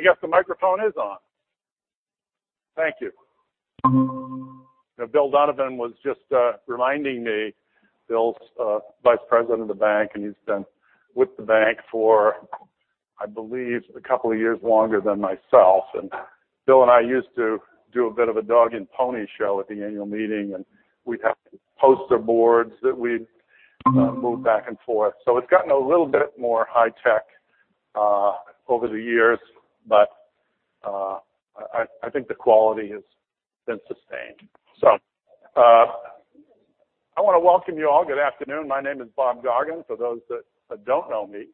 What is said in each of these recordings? I guess the microphone is on. Thank you. Bill Donovan was just reminding me. Bill's Vice President of the bank, and he's been with the bank for, I believe, a couple of years longer than myself. Bill and I used to do a bit of a dog and pony show at the annual meeting, and we'd have poster boards that we'd move back and forth. It's gotten a little bit more high tech over the years, but I think the quality has been sustained. I want to welcome you all. Good afternoon. My name is Bob Gaughen. For those that don't know me,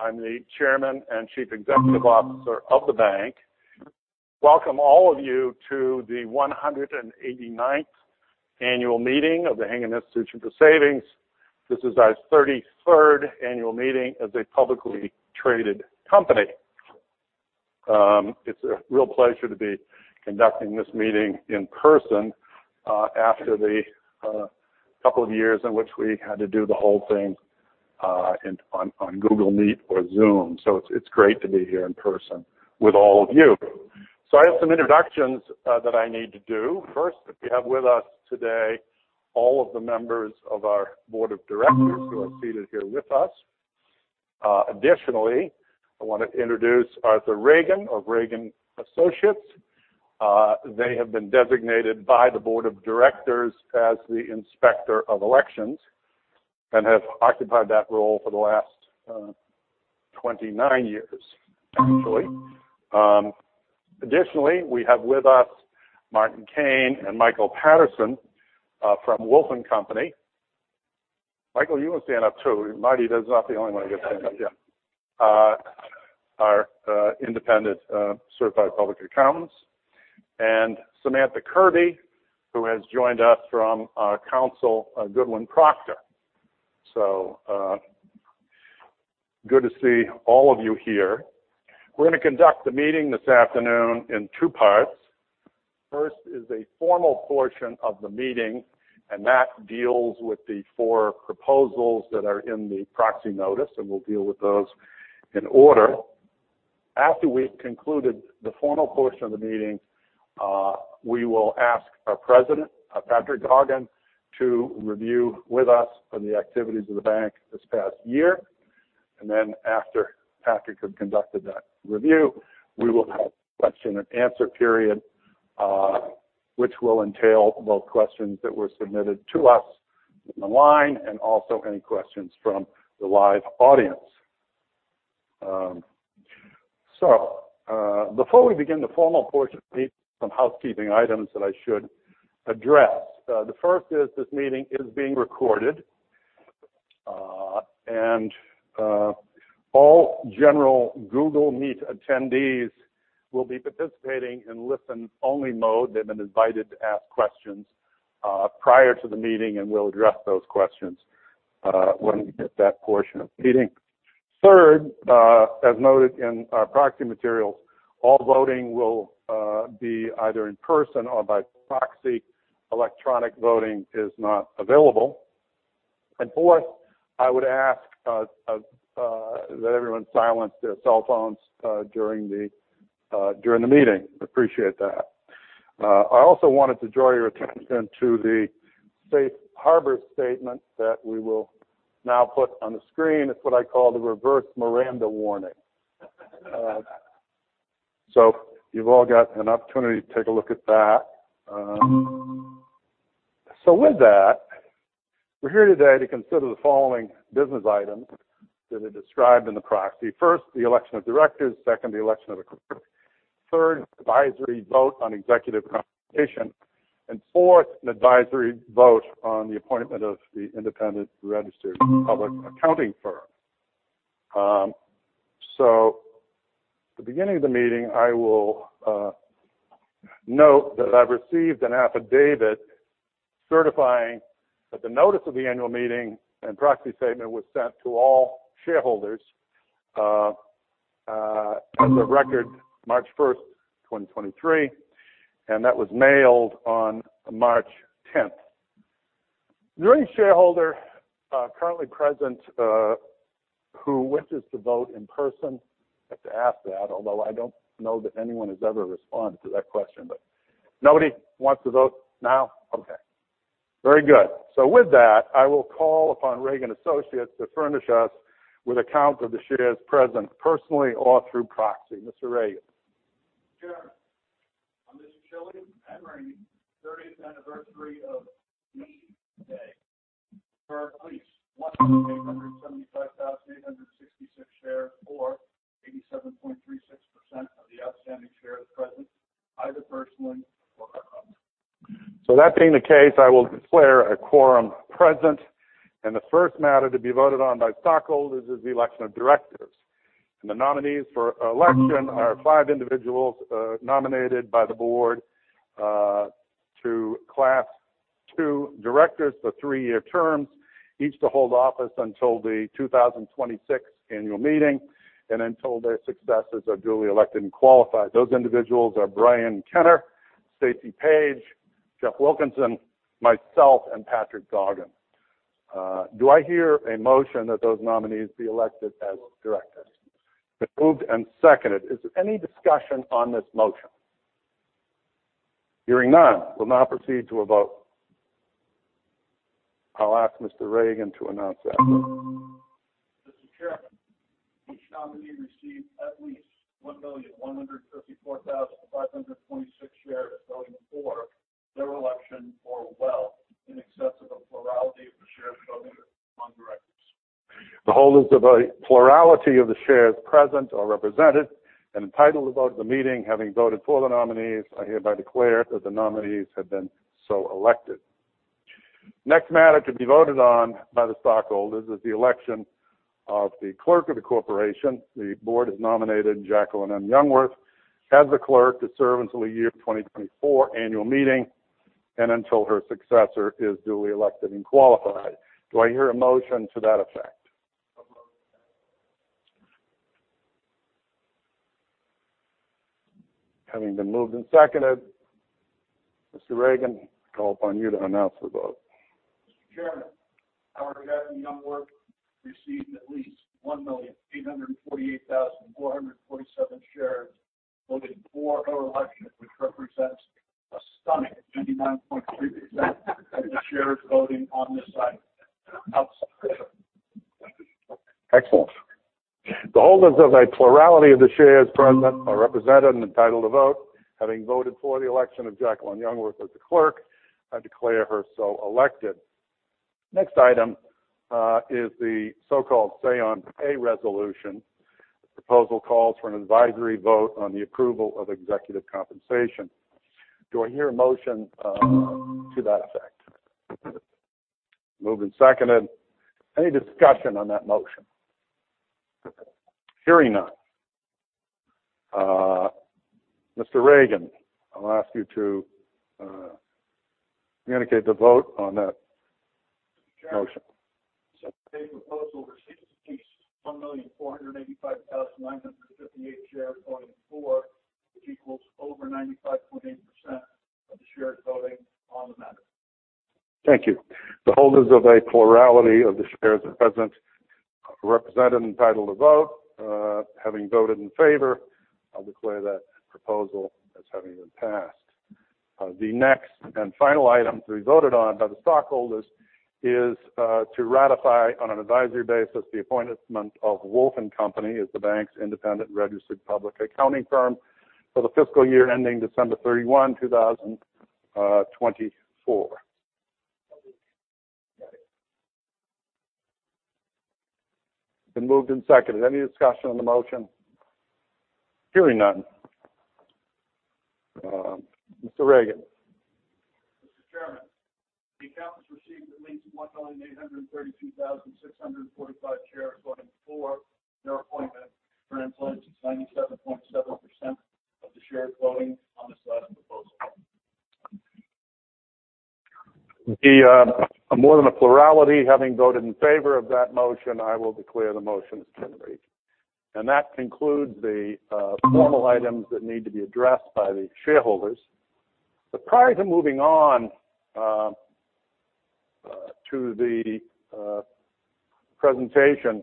I'm the Chairman and Chief Executive Officer of the bank. Welcome all of you to the 189th annual meeting of Hingham Institution for Savings. This is our 33rd annual meeting as a publicly traded company. It's a real pleasure to be conducting this meeting in person, after the couple of years in which we had to do the whole thing, in, on Google Meet or Zoom. It's great to be here in person with all of you. I have some introductions that I need to do. First, we have with us today all of the members of our board of directors who are seated here with us. Additionally, I want to introduce Arthur Regan of Regan Associates. They have been designated by the board of directors as the Inspector of Elections and have occupied that role for the last 29 years, actually. Additionally, we have with us Martin Caine and Michael Patterson from Wolf & Company. Michael, you want to stand up, too. Marty is not the only one who gets to. Yeah. Our independent certified public accountants. Samantha Kirby, who has joined us from our counsel, Goodwin Procter. Good to see all of you here. We're going to conduct the meeting this afternoon in two parts. First is a formal portion of the meeting, and that deals with the fourt proposals that are in the proxy notice, and we'll deal with those in order. After we've concluded the formal portion of the meeting, we will ask our President, Patrick Gaughen, to review with us on the activities of the bank this past year. Then after Patrick has conducted that review, we will have a question-and-answer period, which will entail both questions that were submitted to us in the line and also any questions from the live audience. So, before we begin the formal portion of the meet, some housekeeping items that I should address. The first is this meeting is being recorded, and all general Google Meet attendees will be participating in listen-only mode. They've been invited to ask questions prior to the meeting, and we'll address those questions when we get that portion of the meeting. Third, as noted in our proxy materials, all voting will be either in person or by proxy. Electronic voting is not available. Fourth, I would ask that everyone silence their cell phones during the meeting. Appreciate that. I also wanted to draw your attention to the safe harbor statement that we will now put on the screen. It's what I call the "reverse Miranda warning." You've all got an opportunity to take a look at that. With that, we're here today to consider the following business items that are described in the proxy. First, the election of directors. Second, the election of. [inaudible] Third, advisory vote on executive compensation. Fourth, an advisory vote on the appointment of the independent registered public accounting firm. At the beginning of the meeting, I will note that I've received an affidavit certifying that the notice of the annual meeting and proxy statement was sent to all shareholders as of record March first, 2023, and that was mailed on March 10th. Is there any shareholder currently present who wishes to vote in person? I have to ask that, although I don't know that anyone has ever responded to that question. Nobody wants to vote now? Okay. Very good. With that, I will call upon Regan Associates to furnish us with a count of the shares present, personally or through proxy. Mr. Regan. Sure. On this chilly February 30th anniversary of MEI Day, there are at least 1,875,866 shares, or 87.36% of the outstanding shares present, either personally or by proxy. That being the case, I will declare a quorum present. The first matter to be voted on by stockholders is the election of directors. The nominees for election are five individuals, nominated by the Board, to class two directors for three-year terms, each to hold office until the 2026 Annual Meeting and until their successors are duly elected and qualified. Those individuals are Brian Kenner, Stacey Page, Geoffrey Wilkinson, myself, and Patrick Gaughen. Do I hear a motion that those nominees be elected as directors? It's moved and seconded. Is there any discussion on this motion? Hearing none, we'll now proceed to a vote. I'll ask Mr. Regan to announce that. Mr. Chairman, each nominee received at least 1,154,526 shares voting for their election for well in excess of a plurality of the shares voted among directors. The holders of a plurality of the shares present or represented and entitled to vote at the meeting having voted for the nominees, I hereby declare that the nominees have been so elected. Next matter to be voted on by the stockholders is the election of the Clerk of the Corporation. The board has nominated Jacqueline M. Youngworth as the Clerk to serve until the 2024 annual meeting and until her successor is duly elected and qualified. Do I hear a motion to that effect? Approved. Having been moved and seconded. Mr. Regan, I call upon you to announce the vote. Mr. Chairman, our candidate, Youngworth, received at least 1,848,447 shares voting for her election, which represents a stunning 99.3% of the shares voting on this item. Excellent. The holders of a plurality of the shares present or represented and entitled to vote, having voted for the election of Jacqueline Youngworth as the clerk, I declare her so elected. Next item, is the so-called say on pay resolution. The proposal calls for an advisory vote on the approval of executive compensation. Do I hear a motion to that effect? Moved and seconded. Any discussion on that motion? Hearing none. Mr. Regan, I'll ask you to communicate the vote on that motion. Mr. Chairman, say on pay proposal received at least 1,485,958 shares voting for, which equals over 95.8% of the shares voting on the matter. Thank you. The holders of a plurality of the shares are present, represented, and entitled to vote. Having voted in favor, I'll declare that proposal as having been passed. The next and final item to be voted on by the stockholders is to ratify, on an advisory basis, the appointment of Wolf & Company as the bank's independent registered public accounting firm for the fiscal year ending December 31, 2024. Moved. It's been moved and seconded. Any discussion on the motion? Hearing none. Mr. Regan. Mr. Chairman, the accountants received at least 1,832,645 shares voting for their appointment for an incentive, 97.7% of the shares voting on this item proposal. The more than a plurality having voted in favor of that motion, I will declare the motion is carried. That concludes the formal items that need to be addressed by the shareholders. Prior to moving on to the presentation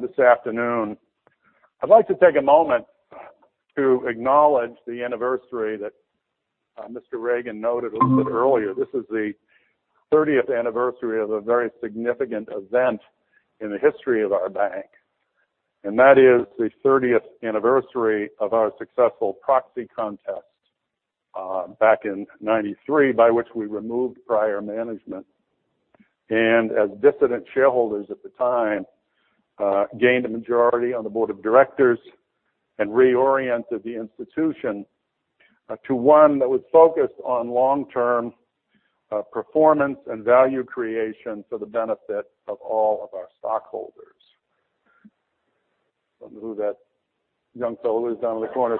this afternoon. I'd like to take a moment to acknowledge the anniversary that Mr. Regan noted a bit earlier. This is the 30th anniversary of a very significant event in the history of our bank. That is the 30th anniversary of our successful proxy contest back in 1993, by which we removed prior management. As dissident shareholders at the time, gained a majority on the board of directors and reoriented the institution to one that was focused on long-term performance and value creation for the benefit of all of our stockholders. Don't know who that young soul is down in the corner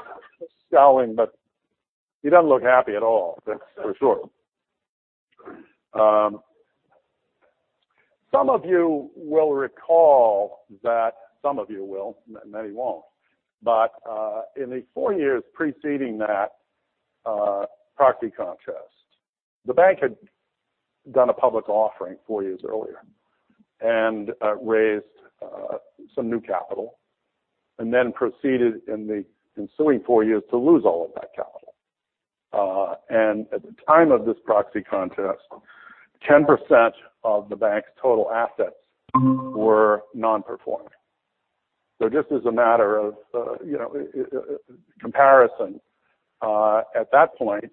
scowling, but he doesn't look happy at all. That's for sure. Some of you will recall that some of you will, many won't. In the four years preceding that proxy contest, the bank had done a public offering four years earlier and raised some new capital. Then proceeded in the ensuing four years to lose all of that capital. At the time of this proxy contest, 10% of the bank's total assets were non-performing. Just as a matter of, you know, comparison, at that point,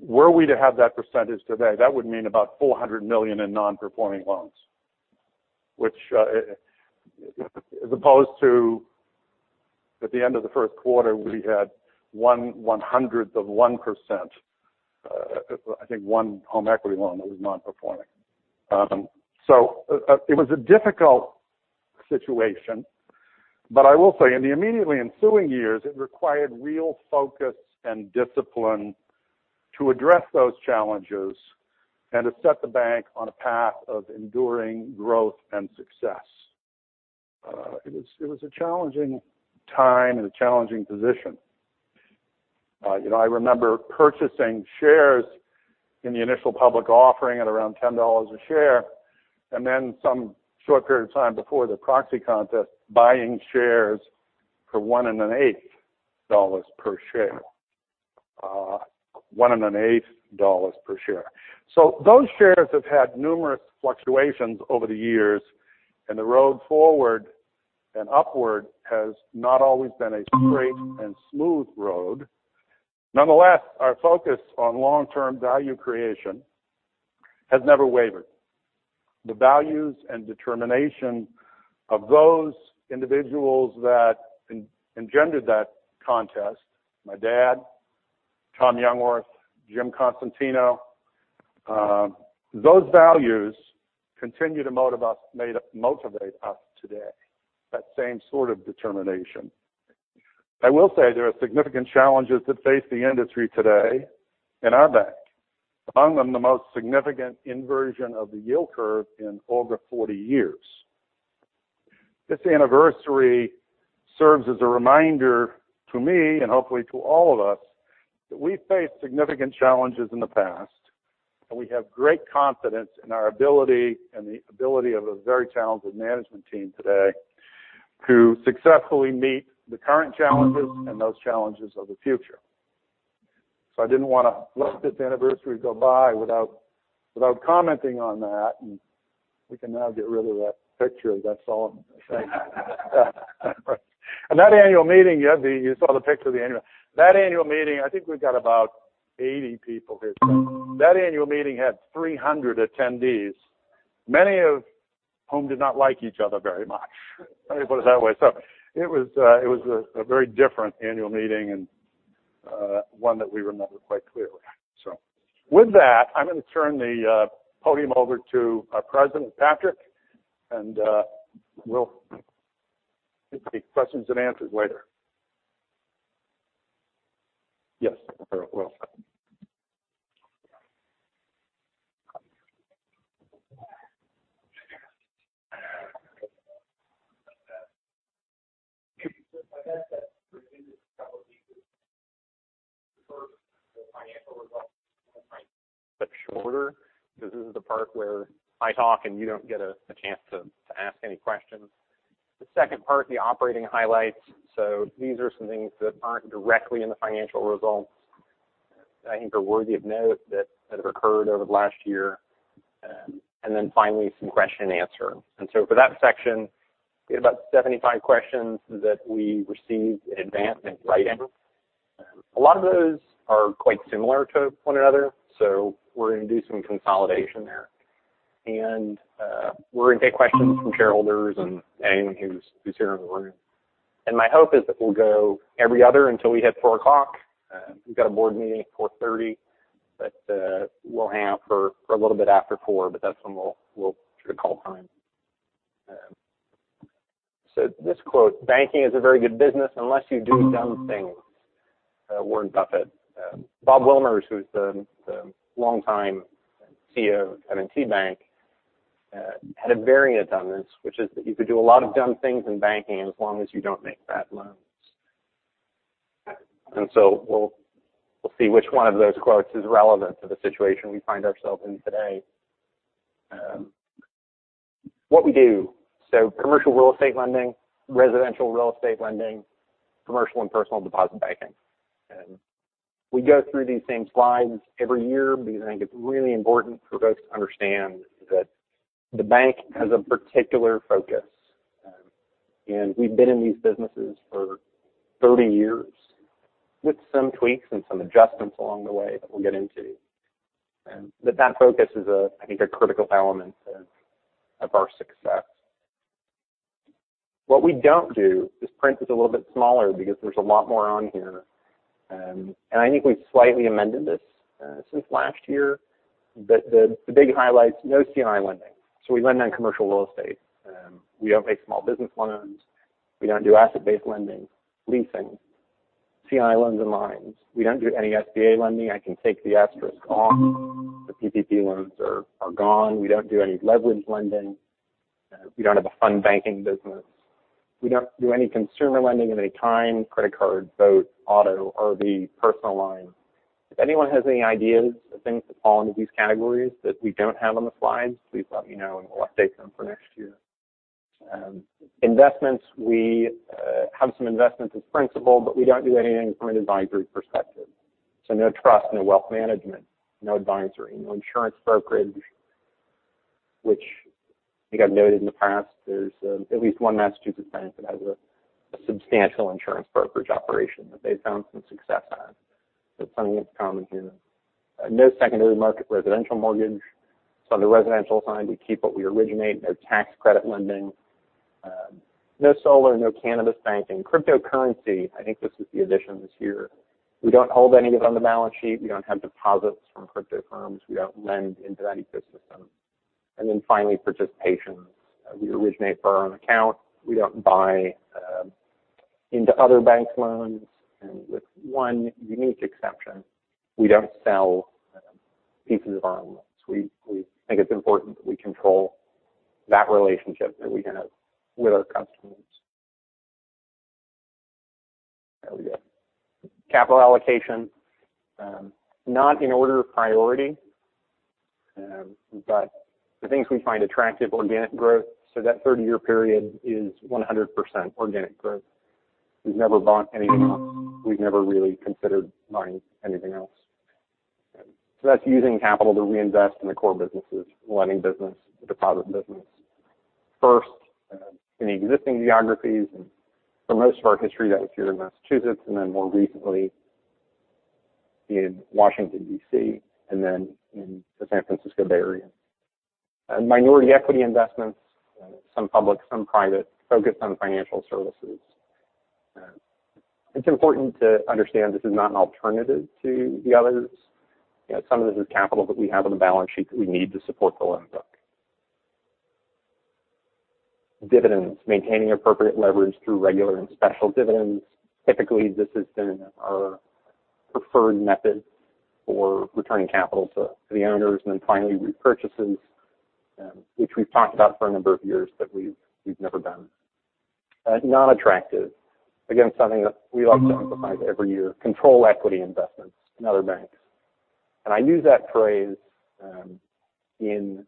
were we to have that percentage today, that would mean about $400 million in non-performing loans. Which, as opposed to, at the end of the first quarter, we had 1/100th of 1%. I think one home equity loan that was non-performing. so it was a difficult situation. I will say in the immediately ensuing years, it required real focus and discipline to address those challenges and to set the bank on a path of enduring growth and success. it was a challenging time and a challenging position. You know, I remember purchasing shares in the initial public offering at around $10 a share and then some short period of time before the proxy contest, buying shares for $1.8 per share, $1.8 per share. Those shares have had numerous fluctuations over the years, and the road forward and upward has not always been a straight and smooth road. Nonetheless, our focus on long-term value creation has never wavered. The values and determination of those individuals that engendered that contest, my dad, Tom Youngworth, Jim Consentino, those values continue to motivate us, motivate us today, that same sort of determination. I will say there are significant challenges that face the industry today and our bank. Among them, the most significant inversion of the yield curve in over 40 years. This anniversary serves as a reminder to me and hopefully to all of us that we've faced significant challenges in the past, and we have great confidence in our ability and the ability of a very talented management team today to successfully meet the current challenges and those challenges of the future. I didn't wanna let this anniversary go by without commenting on that, and we can now get rid of that picture. That's all I'm saying. That annual meeting, you saw the picture of the annual. That annual meeting, I think we've got about 80 people here today. That annual meeting had 300 attendees, many of whom did not like each other very much. Let me put it that way. It was a very different annual meeting and one that we remember quite clearly. With that, I'm gonna turn the podium over to our President, Patrick, and we'll take questions and answers later. Yes. I guess that's a couple of pieces. First, the financial results, right? Shorter, because this is the part where I talk and you don't get a chance to ask any questions. The second part, the operating highlights. These are some things that aren't directly in the financial results that I think are worthy of note that have occurred over the last year. Finally some question and answer. For that section, we had about 75 questions that we received in advance in writing. A lot of those are quite similar to one another, so we're gonna do some consolidation there. We're gonna take questions from shareholders and anyone who's here in the room. My hope is that we'll go every other until we hit 4:00 P.M. We've got a board meeting at 4:30, we'll hang out for a little bit after 4:00, that's when we'll try to call time. This quote, "Banking is a very good business unless you do dumb things," Warren Buffett. Bob Wilmers, who's the longtime CEO of M&T Bank, had a variant on this, which is that you could do a lot of dumb things in banking as long as you don't make bad loans. We'll see which one of those quotes is relevant to the situation we find ourselves in today. What we do, commercial real estate lending, residential real estate lending, commercial and personal deposit banking. We go through these same slides every year because I think it's really important for folks to understand that the bank has a particular focus. We've been in these businesses for 30 years with some tweaks and some adjustments along the way that we'll get into. That focus is a, I think, a critical element of our success. What we don't do, this print is a little bit smaller because there's a lot more on here. I think we've slightly amended this since last year. The big highlights, no C&I lending. We lend on commercial real estate. We don't make small business loans. We don't do asset-based lending, leasing, C&I loans and lines. We don't do any SBA lending. I can take the asterisk off. The PPP loans are gone. We don't do any leveraged lending. We don't have a fund banking business. We don't do any consumer lending of any kind, credit card, both auto, RV, personal line. If anyone has any ideas of things that fall into these categories that we don't have on the slides, please let me know and we'll update them for next year. Investments, we have some investments as principal, but we don't do anything from an advisory perspective. No trust, no wealth management, no advisory, no insurance brokerage, which I think I've noted in the past. There's at least one Massachusetts bank that has a substantial insurance brokerage operation that they've found some success on. It's something that's common here. No secondary market residential mortgage. On the residential side, we keep what we originate. No tax credit lending. No solar, no cannabis banking. Cryptocurrency, I think this is the addition this year. We don't hold any of it on the balance sheet. We don't have deposits from crypto firms. We don't lend into that ecosystem. Finally, participations. We originate for our own account. We don't buy into other banks' loans. With one unique exception, we don't sell pieces of our own loans. We think it's important that we control that relationship that we have with our customers. There we go. Capital allocation, not in order of priority, but the things we find attractive organic growth. That 30-year period is 100% organic growth. We've never bought anything else. We've never really considered buying anything else. That's using capital to reinvest in the core businesses, the lending business, the deposit business first in existing geographies. For most of our history, that was here in Massachusetts and then more recently in Washington, D.C., and then in the San Francisco Bay Area. Minority equity investments, some public, some private, focused on financial services. It's important to understand this is not an alternative to the others. Some of this is capital that we have on the balance sheet that we need to support the loan book. Dividends, maintaining appropriate leverage through regular and special dividends. Typically, this has been our preferred method for returning capital to the owners. Finally, repurchases, which we've talked about for a number of years, but we've never done. Non-attractive. Again, something that we like to emphasize every year, control equity investments in other banks. I use that phrase in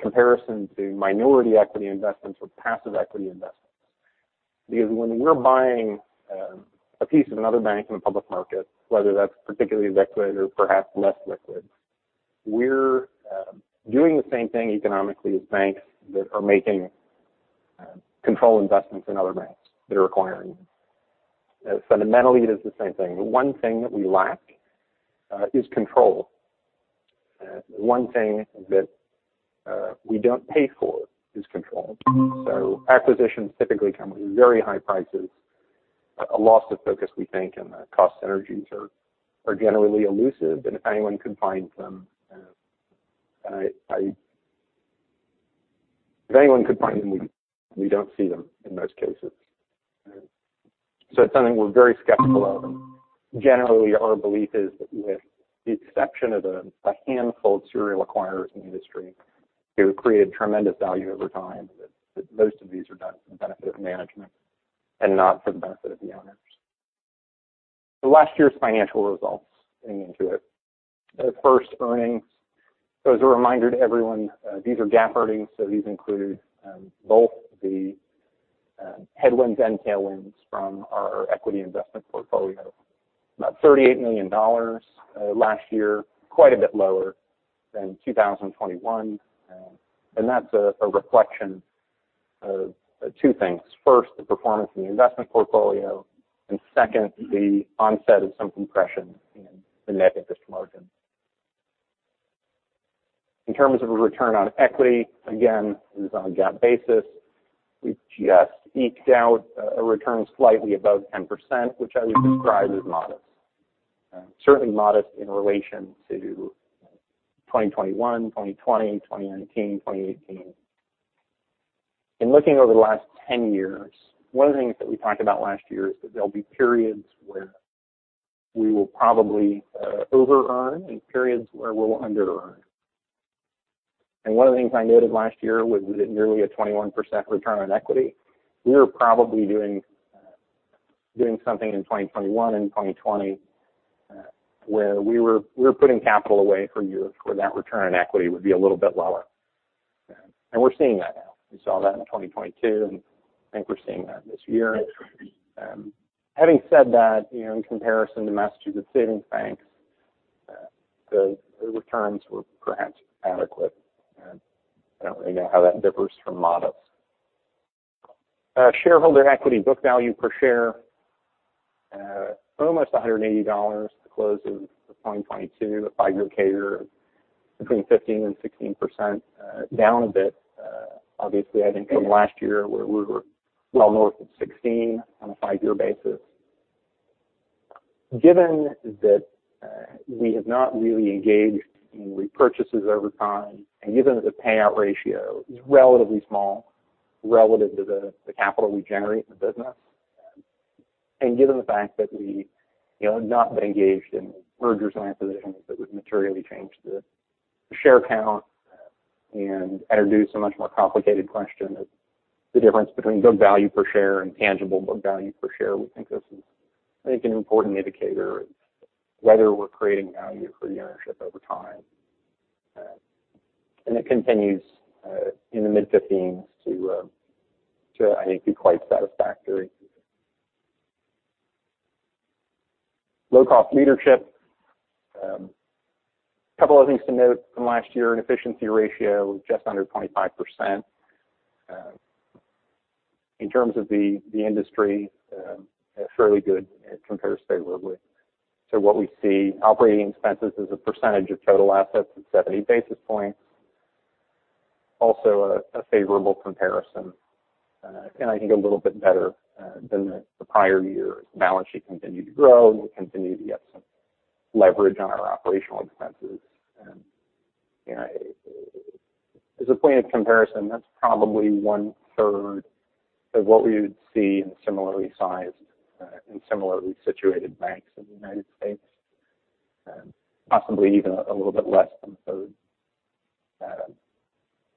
comparison to minority equity investments or passive equity investments. When we're buying a piece of another bank in a public market, whether that's particularly liquid or perhaps less liquid, we're doing the same thing economically as banks that are making control investments in other banks that are acquiring. Fundamentally, it is the same thing. The one thing that we lack is control. The one thing that we don't pay for is control. Acquisitions typically come with very high prices. A loss of focus, we think, and the cost synergies are generally elusive. If anyone could find them, if anyone could find them, we don't see them in most cases. It's something we're very skeptical of. Generally, our belief is that with the exception of a handful of serial acquirers in the industry who create tremendous value over time, that most of these are done for the benefit of management and not for the benefit of the owners. Last year's financial results, getting into it. First earnings. As a reminder to everyone, these are GAAP earnings, so these include both the headwinds and tailwinds from our equity investment portfolio. About $38 million last year, quite a bit lower than 2021. That's a reflection of two things. First, the performance in the investment portfolio, and second, the onset of some compression in the net interest margin. In terms of a return on equity, again, this is on a GAAP basis. We just eked out a return slightly above 10%, which I would describe as modest. Certainly modest in relation to 2021, 2020, 2019, 2018. In looking over the last 10 years, one of the things that we talked about last year is that there'll be periods where we will probably over-earn and periods where we'll under-earn. One of the things I noted last year was that nearly a 21% return on equity, we were probably doing something in 2021 and 2020 where we were putting capital away for years where that return on equity would be a little bit lower. We're seeing that now. We saw that in 2022, and I think we're seeing that this year. Having said that, you know, in comparison to Massachusetts savings banks, the returns were perhaps adequate. I don't really know how that differs from modest. Shareholder equity book value per share, almost $180 to close in 2022, a five-year CAGR between 15% and 16%, down a bit, obviously, I think from last year where we were well north of 16% on a five-year basis. Given that, we have not really engaged in repurchases over time, and given that the payout ratio is relatively small relative to the capital we generate in the business, and given the fact that we, you know, have not been engaged in mergers and acquisitions that would materially change the share count and introduce a much more complicated question of the difference between book value per share and tangible book value per share, we think this is I think an important indicator of whether we're creating value for the ownership over time. It continues in the mid-15% to I think be quite satisfactory. Low-cost leadership. A couple of things to note from last year, an efficiency ratio just under 25%. In terms of the industry, fairly good compared favorably to what we see. Operating expenses as a percentage of total assets is 70 basis points. Also a favorable comparison, I think a little bit better than the prior year. As the balance sheet continued to grow, we continue to get some leverage on our operational expenses. As a point of comparison, that's probably 1/3 of what we would see in similarly sized, in similarly situated banks in the United States, and possibly even a little bit less than 1/3.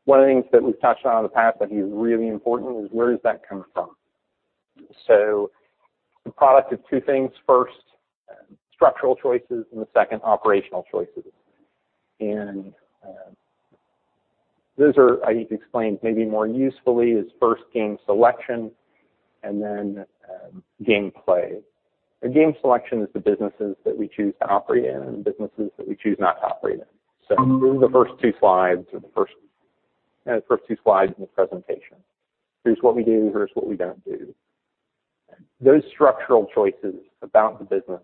One of the things that we've touched on in the past that is really important is where does that come from? The product of two things. First, structural choices, and the second, operational choices. Those are, I explained maybe more usefully is first game selection and then, game play. Game selection is the businesses that we choose to operate in and the businesses that we choose not to operate in. These are the first two slides, or the first, the first two slides in the presentation. Here's what we do, here's what we don't do. Those structural choices about the business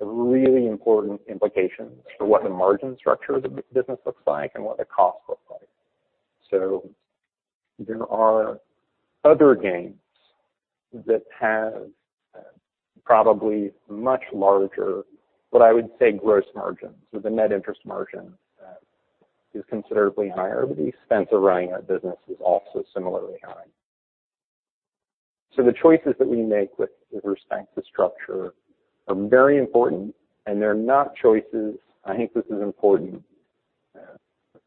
have really important implications for what the margin structure of the business looks like and what the costs look like. There are other games that have, probably much larger, but I would say gross margins. The net interest margin is considerably higher, but the expense of running our business is also similarly high. The choices that we make with respect to structure are very important, and they're not choices. I think this is important.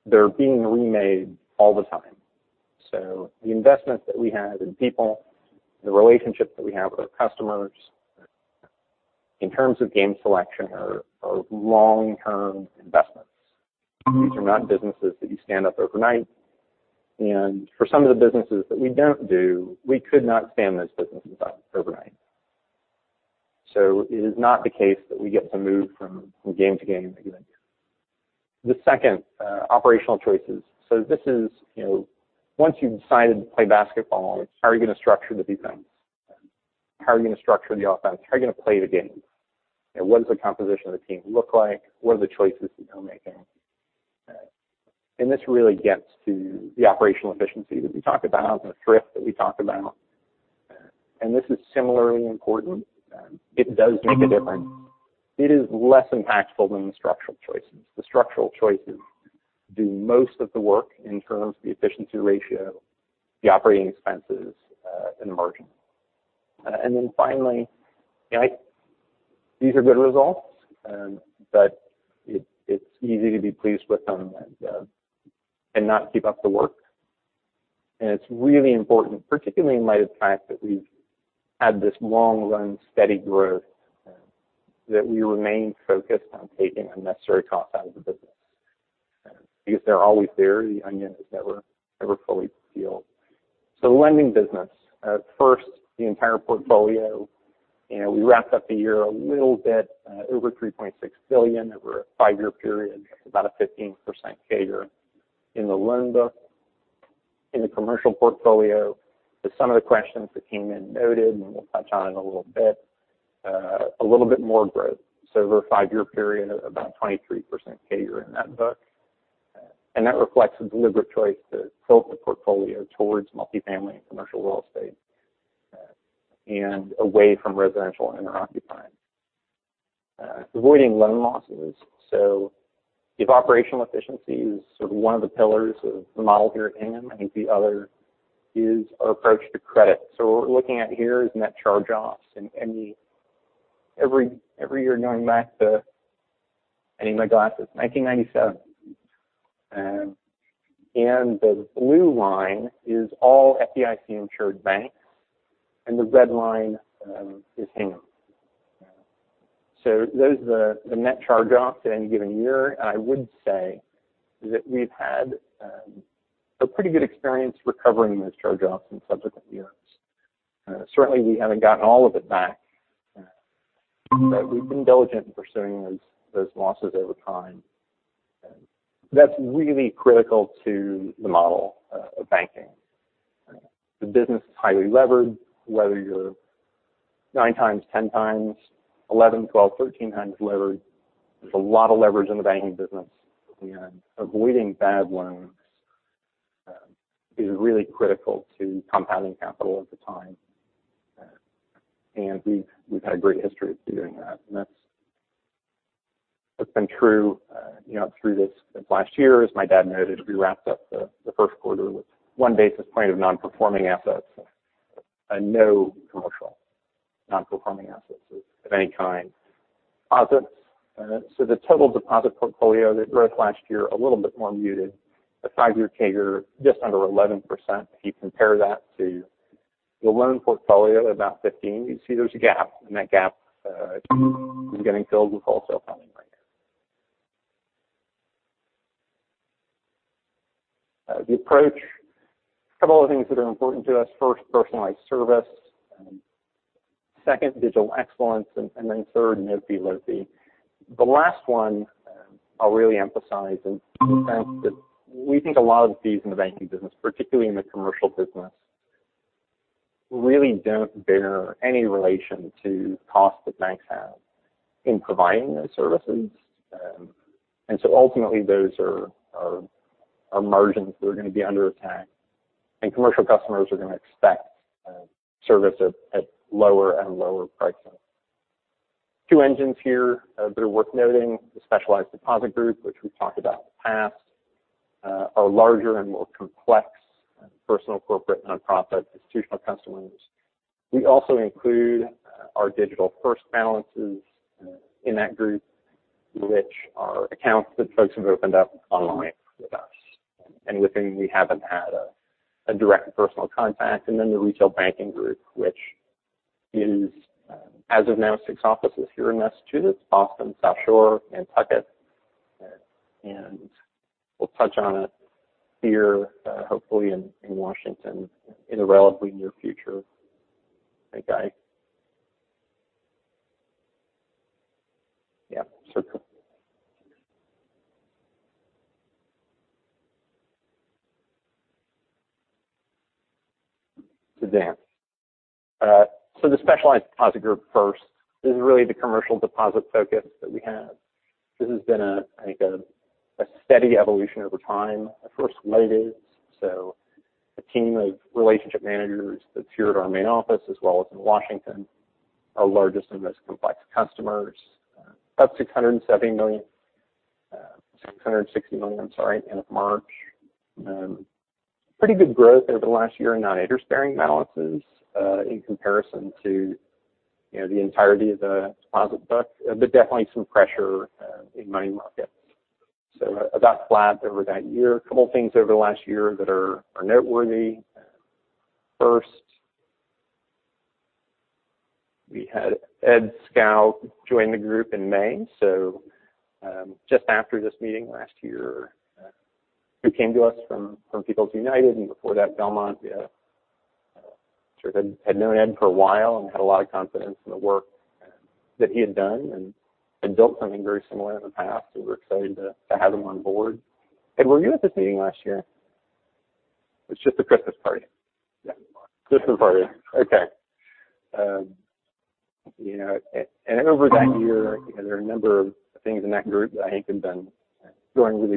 They're being remade all the time. The investments that we have in people, the relationships that we have with our customers in terms of game selection are long-term investments. These are not businesses that you stand up overnight. For some of the businesses that we don't do, we could not stand those businesses up overnight. It is not the case that we get to move from game to game every year. The second, operational choices. This is, you know, once you've decided to play basketball, how are you going to structure the defense? How are you going to structure the offense? How are you going to play the game? You know, what does the composition of the team look like? What are the choices that you're making? This really gets to the operational efficiency that we talked about and the thrift that we talked about. This is similarly important. It does make a difference. It is less impactful than the structural choices. The structural choices do most of the work in terms of the efficiency ratio, the operating expenses, and margin. Finally, these are good results, but it's easy to be pleased with them and not keep up the work. It's really important, particularly in light of the fact that we've had this long run, steady growth, that we remain focused on taking unnecessary costs out of the business, because they're always there. The onion is never fully peeled. Lending business. First, the entire portfolio. You know, we wrapped up the year a little bit over $3.6 billion over a five-year period, about a 15% CAGR in the loan book. In the commercial portfolio to some of the questions that came in noted, and we'll touch on in a little bit, a little bit more growth. Over a five-year period, about 23% CAGR in that book. That reflects a deliberate choice to tilt the portfolio towards multifamily and commercial real estate and away from residential and occupied. Avoiding loan losses. If operational efficiency is sort of one of the pillars of the model here at Hingham, I think the other is our approach to credit. What we're looking at here is net charge-offs. Every, every year going back to, I need my glasses, 1997. The blue line is all FDIC-insured banks, and the red line is Hingham. Those are the net charge-offs at any given year. I would say that we've had a pretty good experience recovering those charge-offs in subsequent years. Certainly we haven't gotten all of it back, but we've been diligent in pursuing those losses over time. That's really critical to the model of banking. The business is highly levered. Whether you're 9x, 10x, 11x, 12x, 13x times levered, there's a lot of leverage in the banking business. Avoiding bad loans is really critical to compounding capital over time. We've had a great history of doing that. That's been true, you know, through this last year. As my dad noted, we wrapped up the first quarter with 1 basis point of non-performing assets and no commercial non-performing assets of any kind. Deposits. The total deposit portfolio that growth last year, a little bit more muted. The five-year CAGR just under 11%. If you compare that to the loan portfolio at about 15%, you see there's a gap, and that gap is getting filled with wholesale funding right now. The approach. A couple of things that are important to us. First, personalized service. Second, digital excellence. And then third, no-fee, low-fee. The last one I'll really emphasize is the fact that we think a lot of the fees in the banking business, particularly in the commercial business, really don't bear any relation to costs that banks have in providing those services. Ultimately, those are margins that are going to be under attack, and commercial customers are going to expect service at lower and lower prices. Two engines here that are worth noting. The Specialized Deposit Group, which we've talked about in the past, are larger and more complex personal, corporate, nonprofit, institutional customers. We also include our digital first balances in that group, which are accounts that folks have opened up online with us and within we haven't had a direct personal contact. The Retail Banking Group, which is, as of now, six offices here in Massachusetts, Boston, South Shore, Nantucket. We'll touch on it here, hopefully in Washington in the relatively near future. To the Specialized Deposit Group first. This is really the commercial deposit focus that we have. This has been, I think, a steady evolution over time. At first ladies, so a team of relationship managers that's here at our main office as well as in Washington, our largest and most complex customers. About $670 million, $660 million, I'm sorry, end of March. Pretty good growth over the last year in non-interest bearing balances, in comparison to, you know, the entirety of the deposit book, but definitely some pressure in money markets. About flat over that year. A couple things over the last year that are noteworthy. First, we had Ed Skou join the group in May, so just after this meeting last year. Who came to us from People's United, and before that, Belmont. Sort of had known Ed for a while and had a lot of confidence in the work that he had done and built something very similar in the past, so we're excited to have him on board. Ed, were you at this meeting last year? It's just a Christmas party. [inaudible] Christmas party. Okay. You know, and over that year, I think there are a number of things in that group that I think have been going really well. One of the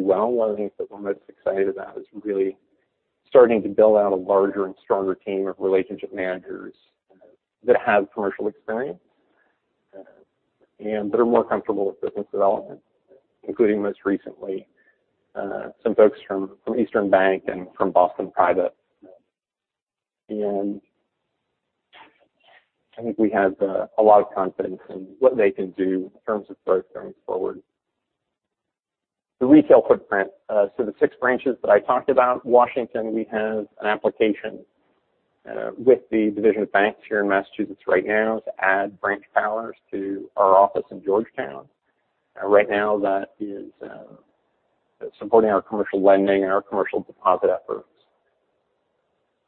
things that we're most excited about is really starting to build out a larger and stronger team of relationship managers that have commercial experience and that are more comfortable with business development, including most recently, some folks from Eastern Bank and from Boston Private. I think we have a lot of confidence in what they can do in terms of growth going forward. The retail footprint. The six branches that I talked about. Washington, we have an application with the Division of Banks here in Massachusetts right now to add branch powers to our office in Georgetown. Right now that is supporting our Commercial Lending and our Commercial Deposit efforts.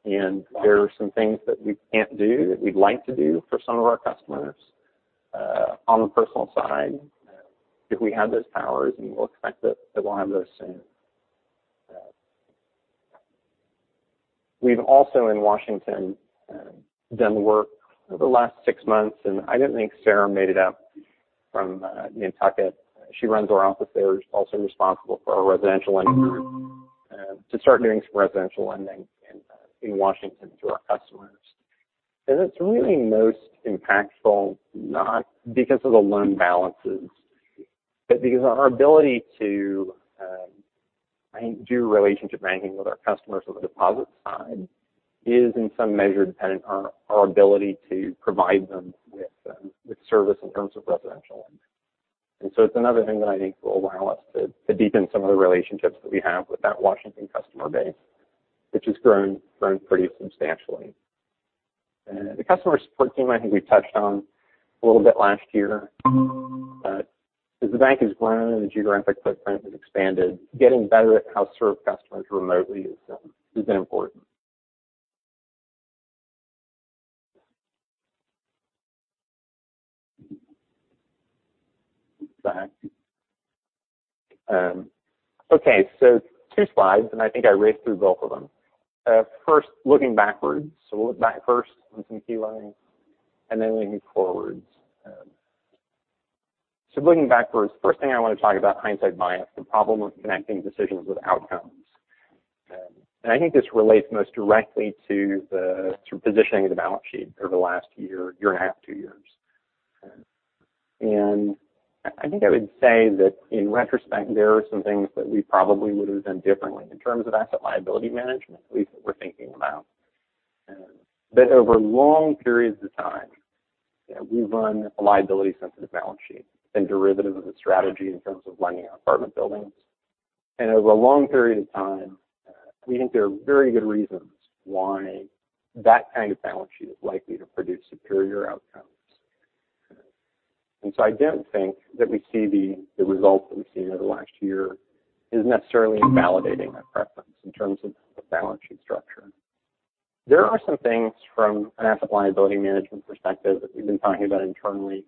There are some things that we can't do that we'd like to do for some of our customers on the personal side, if we had those powers, and we'll expect that we'll have those soon. We've also in Washington done work over the last six months, and I didn't think Sarah made it up from Nantucket. She runs our office there, is also responsible for our Residential Lending Group to start doing some residential lending in Washington to our customers. It's really most impactful, not because of the loan balances, but because our ability to, I think do relationship banking with our customers on the deposit side is in some measure dependent on our ability to provide them with service in terms of residential lending. It's another thing that I think will allow us to deepen some of the relationships that we have with that Washington customer base, which has grown pretty substantially. The customer support team, I think we touched on a little bit last year. As the bank has grown and the geographic footprint has expanded, getting better at how to serve customers remotely is has been important. Back. Okay. Two slides, and I think I raced through both of them. First, looking backwards. We'll look back first on some key learnings and then looking forwards. Looking backwards, first thing I want to talk about hindsight bias, the problem with connecting decisions with outcomes. I think this relates most directly to the positioning of the balance sheet over the last year, one and a half, two years. I think I would say that in retrospect, there are some things that we probably would have done differently in terms of asset liability management, at least that we're thinking about. Over long periods of time, you know, we run a liability sensitive balance sheet and derivative of the strategy in terms of lending out apartment buildings. Over a long period of time, we think there are very good reasons why that kind of balance sheet is likely to produce superior outcomes. And so I don't think that we see the results that we've seen over the last year is necessarily invalidating that preference in terms of the balance sheet structure. There are some things from an asset liability management perspective that we've been talking about internally,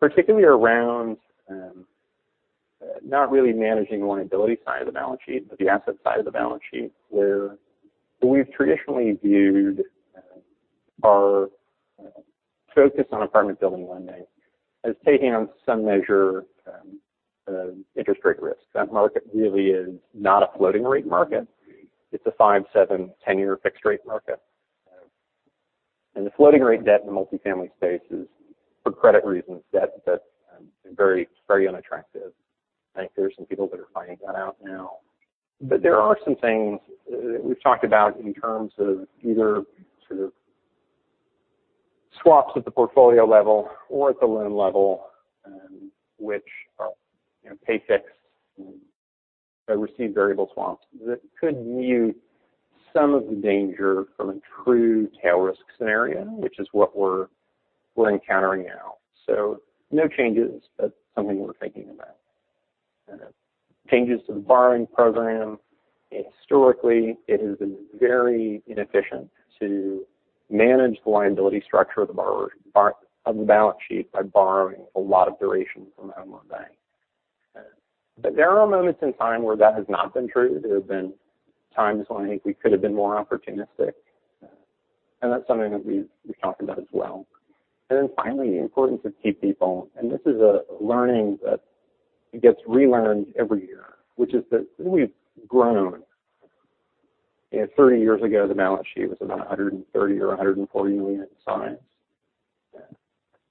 particularly around not really managing the liability side of the balance sheet, but the asset side of the balance sheet, where we've traditionally viewed our focus on apartment building lending as taking on some measure interest rate risk. That market really is not a floating rate market. It's a five, seven, 10-year fixed rate market. And the floating rate debt in the multifamily space is for credit reasons, debt that's very, very unattractive. I think there are some people that are finding that out now. There are some things, we've talked about in terms of either sort of swaps at the portfolio level or at the loan level, which are, you know, pay fixed, receive variable swaps. That could mute some of the danger from a true tail risk scenario, which is what we're encountering now. No changes, but something we're thinking about. Changes to the borrowing program. Historically, it has been very inefficient to manage the liability structure of the borrower on the balance sheet by borrowing a lot of duration from our own loan bank. There are moments in time where that has not been true. There have been times when I think we could have been more opportunistic, and that's something that we've talked about as well. Finally, the importance of key people. This is a learning that gets relearned every year, which is that we've grown. You know, 30 years ago, the balance sheet was about $130 million or $140 million in size.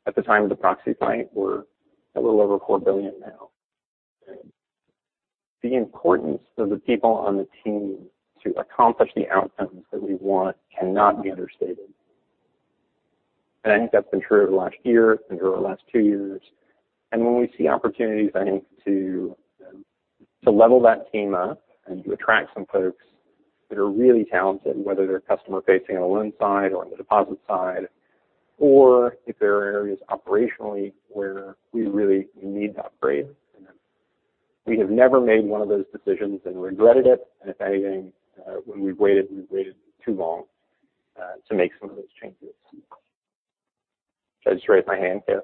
At the time of the proxy fight, we're a little over $4 billion now. The importance of the people on the team to accomplish the outcomes that we want cannot be understated. I think that's been true over the last year and over the last two years. When we see opportunities, I think, to level that team up and to attract some folks that are really talented, whether they're customer-facing on the loan side or on the deposit side, or if there are areas operationally where we really need to upgrade. We have never made one of those decisions and regretted it. If anything, when we've waited, we've waited too long to make some of those changes. Did I just raise my hand? Yes.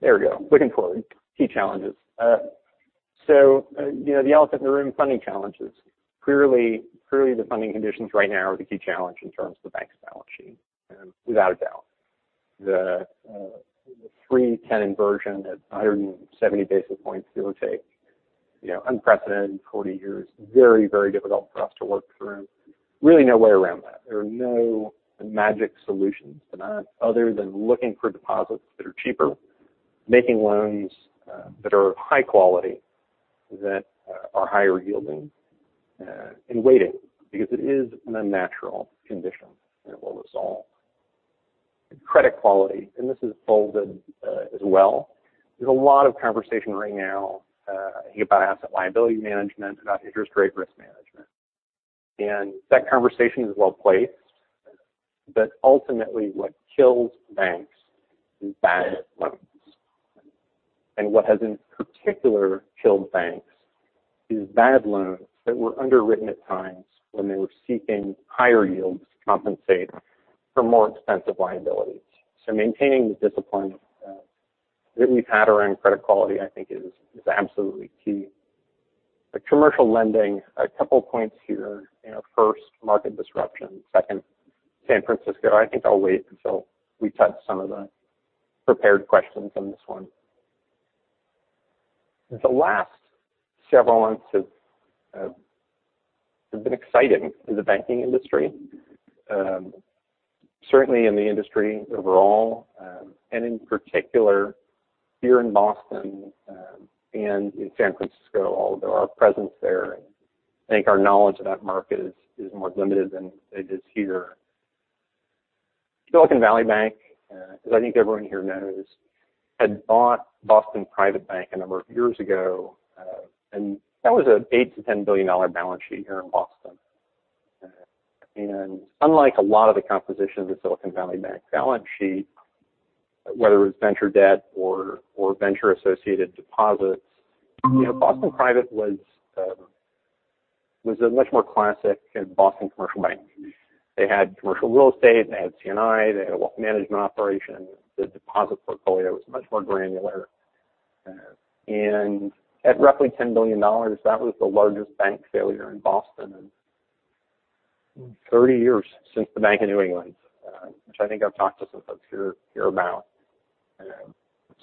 There we go. Looking forward. Key challenges. You know the elephant in the room, funding challenges. Clearly, the funding conditions right now are the key challenge in terms of the bank's balance sheet. Without a doubt. The 3/10 inversion at 170 basis points give or take, you know, unprecedented in 40 years. Very, very difficult for us to work through. Really no way around that. There are no magic solutions to that other than looking for deposits that are cheaper, making loans that are of high quality, that are higher yielding, and waiting because it is an unnatural condition and it will resolve. Credit quality, and this is folded as well. There's a lot of conversation right now, about asset liability management, about interest rate risk management. That conversation is well placed. Ultimately, what kills banks is bad loans. What has in particular killed banks is bad loans that were underwritten at times when they were seeking higher yields to compensate for more expensive liabilities. Maintaining the discipline that we've had around credit quality, I think is absolutely key. Commercial lending: a couple of points here. First, market disruption. Second, San Francisco. I think I'll wait until we touch some of the prepared questions on this one. The last several months have been exciting in the banking industry. Certainly in the industry overall, and in particular here in Boston, and in San Francisco, although our presence there and I think our knowledge of that market is more limited than it is here. Silicon Valley Bank, as I think everyone here knows, had bought Boston Private Bank a number of years ago, and that was an $8 billion-$10 billion balance sheet here in Boston. Unlike a lot of the composition of the Silicon Valley Bank balance sheet, whether it was venture debt or venture-associated deposits, you know, Boston Private was a much more classic Boston commercial bank. They had commercial real estate. They had C&I. They had a wealth management operation. The deposit portfolio was much more granular. At roughly $10 billion, that was the largest bank failure in Boston in 30 years since the Bank of New England, which I think I've talked to some folks here about.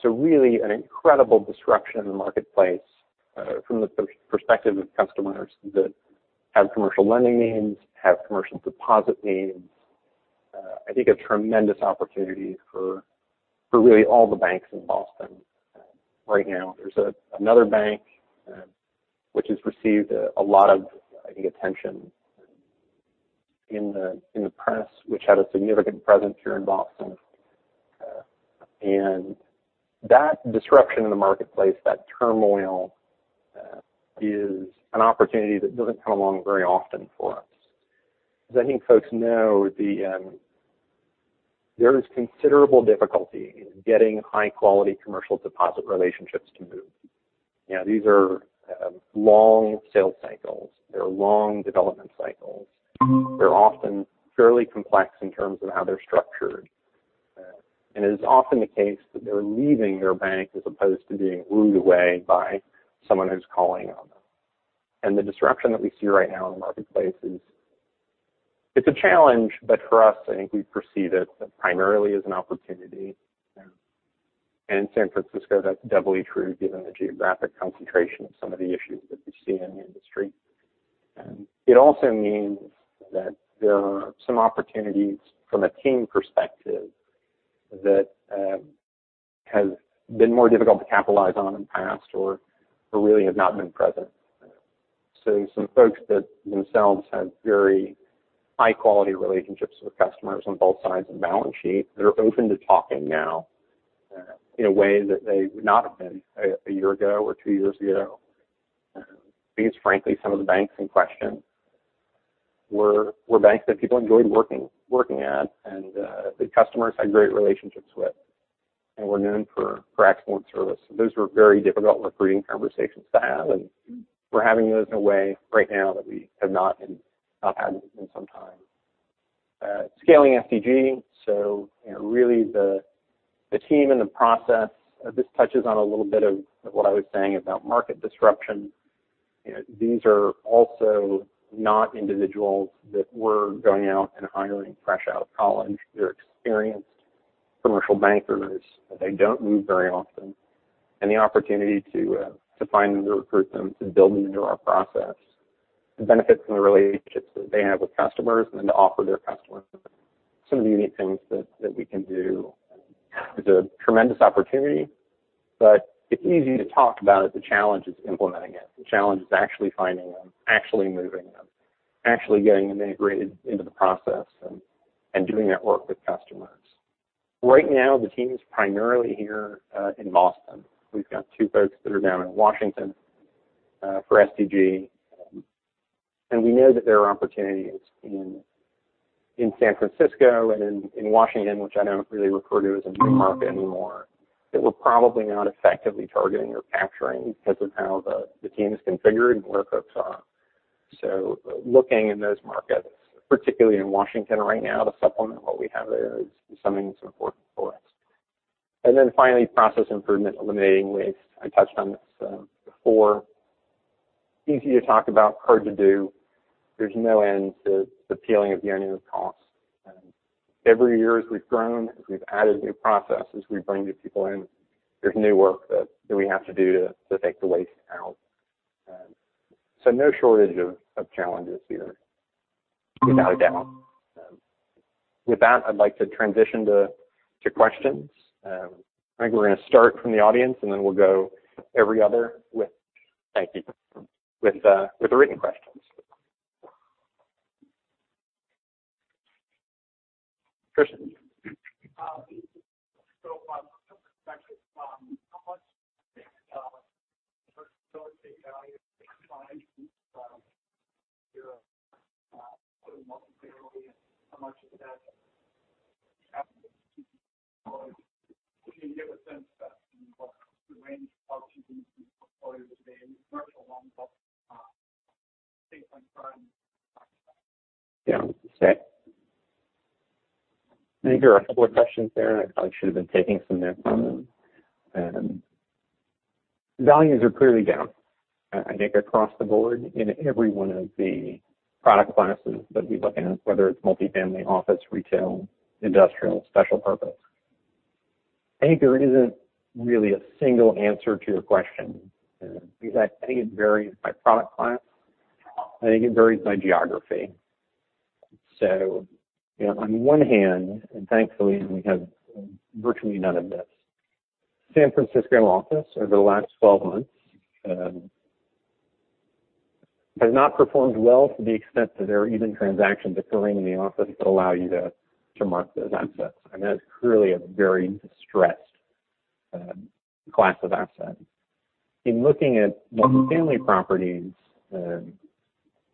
Really an incredible disruption in the marketplace, from the perspective of customers that have commercial lending needs, have commercial deposit needs. I think a tremendous opportunity for really all the banks in Boston right now. There's another bank, which has received a lot of, I think, attention in the press, which had a significant presence here in Boston. That disruption in the marketplace, that turmoil, is an opportunity that doesn't come along very often for us. As I think folks know, the—there is considerable difficulty in getting high-quality commercial deposit relationships to move. You know, these are long sales cycles. They're long development cycles. They're often fairly complex in terms of how they're structured. It is often the case that they're leaving their bank as opposed to being wooed away by someone who's calling on them. The disruption that we see right now in the marketplace is it's a challenge, but for us, I think we perceive it primarily as an opportunity. In San Francisco, that's doubly true given the geographic concentration of some of the issues that we see in the industry. It also means that there are some opportunities from a team perspective that has been more difficult to capitalize on in the past or really have not been present. Some folks that themselves have very high quality relationships with customers on both sides of the balance sheet, they're open to talking now, in a way that they would not have been a year ago or two years ago. Because frankly, some of the banks in question were banks that people enjoyed working at, and the customers had great relationships with and were known for excellent service. Those were very difficult recruiting conversations to have, and we're having those in a way right now that we have not had in some time. Scaling SDG. You know, really the team and the process. This touches on a little bit of what I was saying about market disruption. You know, these are also not individuals that we're going out and hiring fresh out of college. They're experienced commercial bankers. They don't move very often. The opportunity to find them, to recruit them, to build them into our process, the benefits and the relationships that they have with customers, and then to offer their customers some of the unique things that we can do is a tremendous opportunity. It's easy to talk about it. The challenge is implementing it. The challenge is actually finding them, actually moving them, actually getting them integrated into the process and doing that work with customers. Right now, the team is primarily here in Boston. We've got two folks that are down in Washington for SDG. We know that there are opportunities in San Francisco and in Washington, which I don't really refer to as a new market anymore, that we're probably not effectively targeting or capturing because of how the team is configured and where folks are. Looking in those markets, particularly in Washington right now, to supplement what we have there is something that's important for us. Then finally, process improvement, eliminating waste. I touched on this before. Easy to talk about, hard to do. There's no end to the peeling of the onion of costs. Every year, as we've grown, as we've added new processes, we bring new people in. There's new work that we have to do to take the waste out. No shortage of challenges here, without a doubt. With that, I'd like to transition to questions. I think we're gonna start from the audience, and then we'll go every other with—thank you. With the written questions. Cristian. From a perspective, how much of that can you give a sense that what the range of opportunities in the portfolio today, commercial loans? Yeah. I think there are a couple of questions there. I probably should have been taking some notes on them. Values are clearly down. I think across the board in every one of the product classes that we look at, whether it's multifamily, office, retail, industrial, special purpose. I think there isn't really a single answer to your question. Because I think it varies by product class. I think it varies by geography. You know, on one hand, and thankfully, we have virtually none of this. San Francisco office over the last 12 months has not performed well to the extent that there are even transactions occurring in the office to allow you to mark those assets. I mean, that's clearly a very distressed class of assets. In looking at multifamily properties,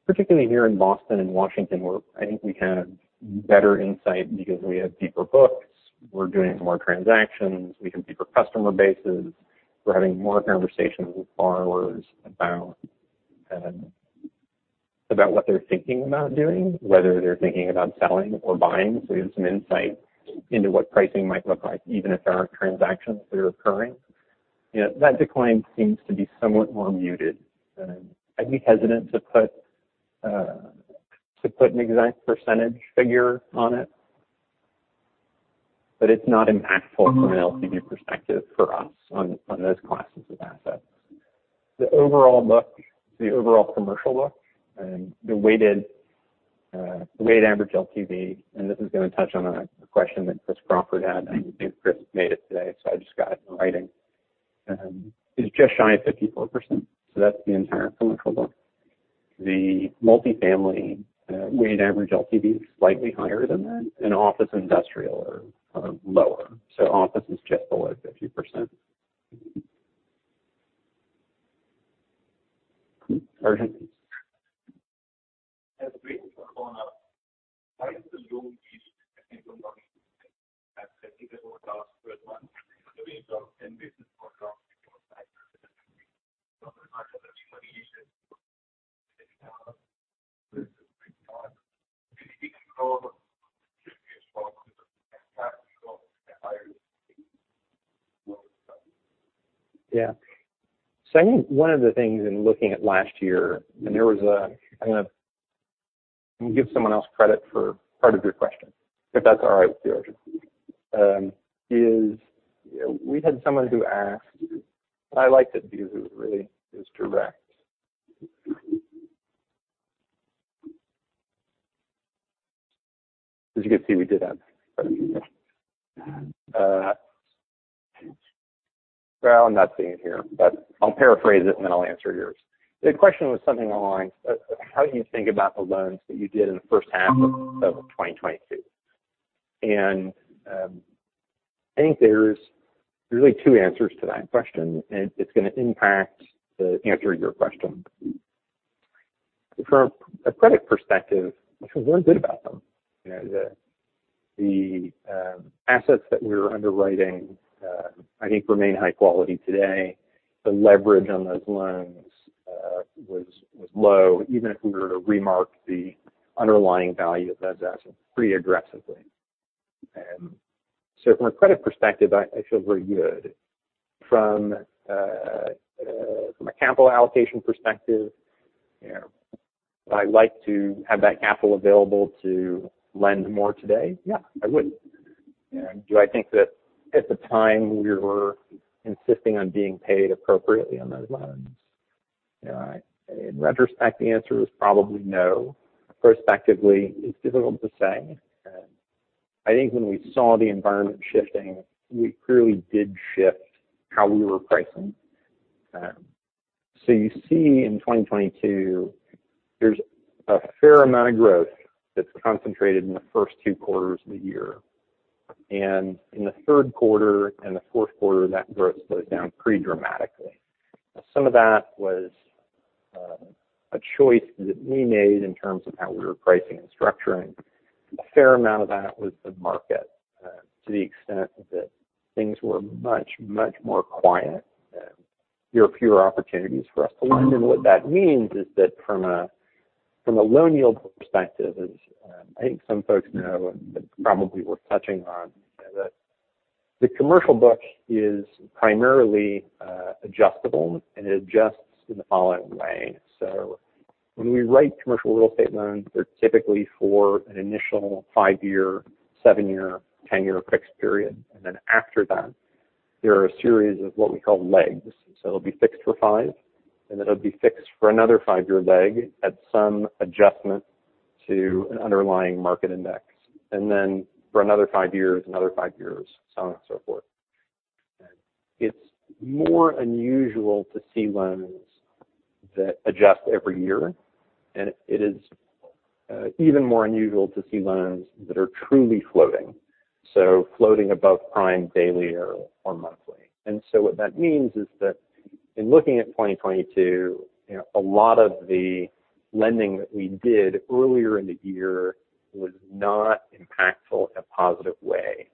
particularly here in Boston and Washington, where I think we have better insight because we have deeper books, we're doing more transactions, we have deeper customer bases. We're having more conversations with borrowers about what they're thinking about doing, whether they're thinking about selling or buying. We have some insight into what pricing might look like, even if there aren't transactions that are occurring. You know, that decline seems to be somewhat more muted. I'd be hesitant to put an exact percentage figure on it. It's not impactful from an LTV perspective for us on those classes of assets. The overall look, the overall commercial look, the weighted average LTV, and this is gonna touch on a question that Chris Crawford had. I don't think Chris made it today. I just got it in writing. is just shy of 54%. That's the entire commercial book. The multifamily weighted average LTV is slightly higher than that, office industrial are lower. Office is just below 50%. Roger. As rate go up, why is the loan? [inaudible] Yeah. I think one of the things in looking at last year, I'm gonna give someone else credit for part of your question, if that's all right with you, Roger. Is we had someone who asked. I liked it because it really is direct. As you can see, we did have. Well, I'm not seeing it here, but I'll paraphrase it, and then I'll answer yours. The question was something along, how do you think about the loans that you did in the first half of 2022? I think there's really two answers to that question, and it's gonna impact the answer to your question. From a credit perspective, we feel really good about them. You know, the assets that we were underwriting, I think remain high quality today. The leverage on those loans was low, even if we were to remark the underlying value of those assets pretty aggressively. From a credit perspective, I feel very good. From a capital allocation perspective, you know, would I like to have that capital available to lend more today? Yeah, I would. You know, do I think that at the time we were insisting on being paid appropriately on those loans? You know, in retrospect, the answer is probably no. Prospectively, it's difficult to say. I think when we saw the environment shifting, we clearly did shift how we were pricing. You see in 2022, there's a fair amount of growth that's concentrated in the first two quarters of the year. In the third quarter and the fourth quarter, that growth slows down pretty dramatically. Some of that was a choice that we made in terms of how we were pricing and structuring. A fair amount of that was the market, to the extent that things were much, much more quiet. There were fewer opportunities for us to lend. What that means is that from a, from a loan yield perspective, as, I think some folks know, but probably worth touching on, you know, the commercial book is primarily adjustable, and it adjusts in the following way. When we write commercial real estate loans, they're typically for an initial five-year, seven-year, 10-year fixed period. Then after that, there are a series of what we call legs. It'll be fixed for five, and then it'll be fixed for another five-year leg at some adjustment to an underlying market index. For another five years, another five years, so on and so forth. It's more unusual to see loans that adjust every year, and it is even more unusual to see loans that are truly floating, so floating above prime daily or monthly. What that means is that in looking at 2022, you know, a lot of the lending that we did earlier in the year was not impactful in a positive way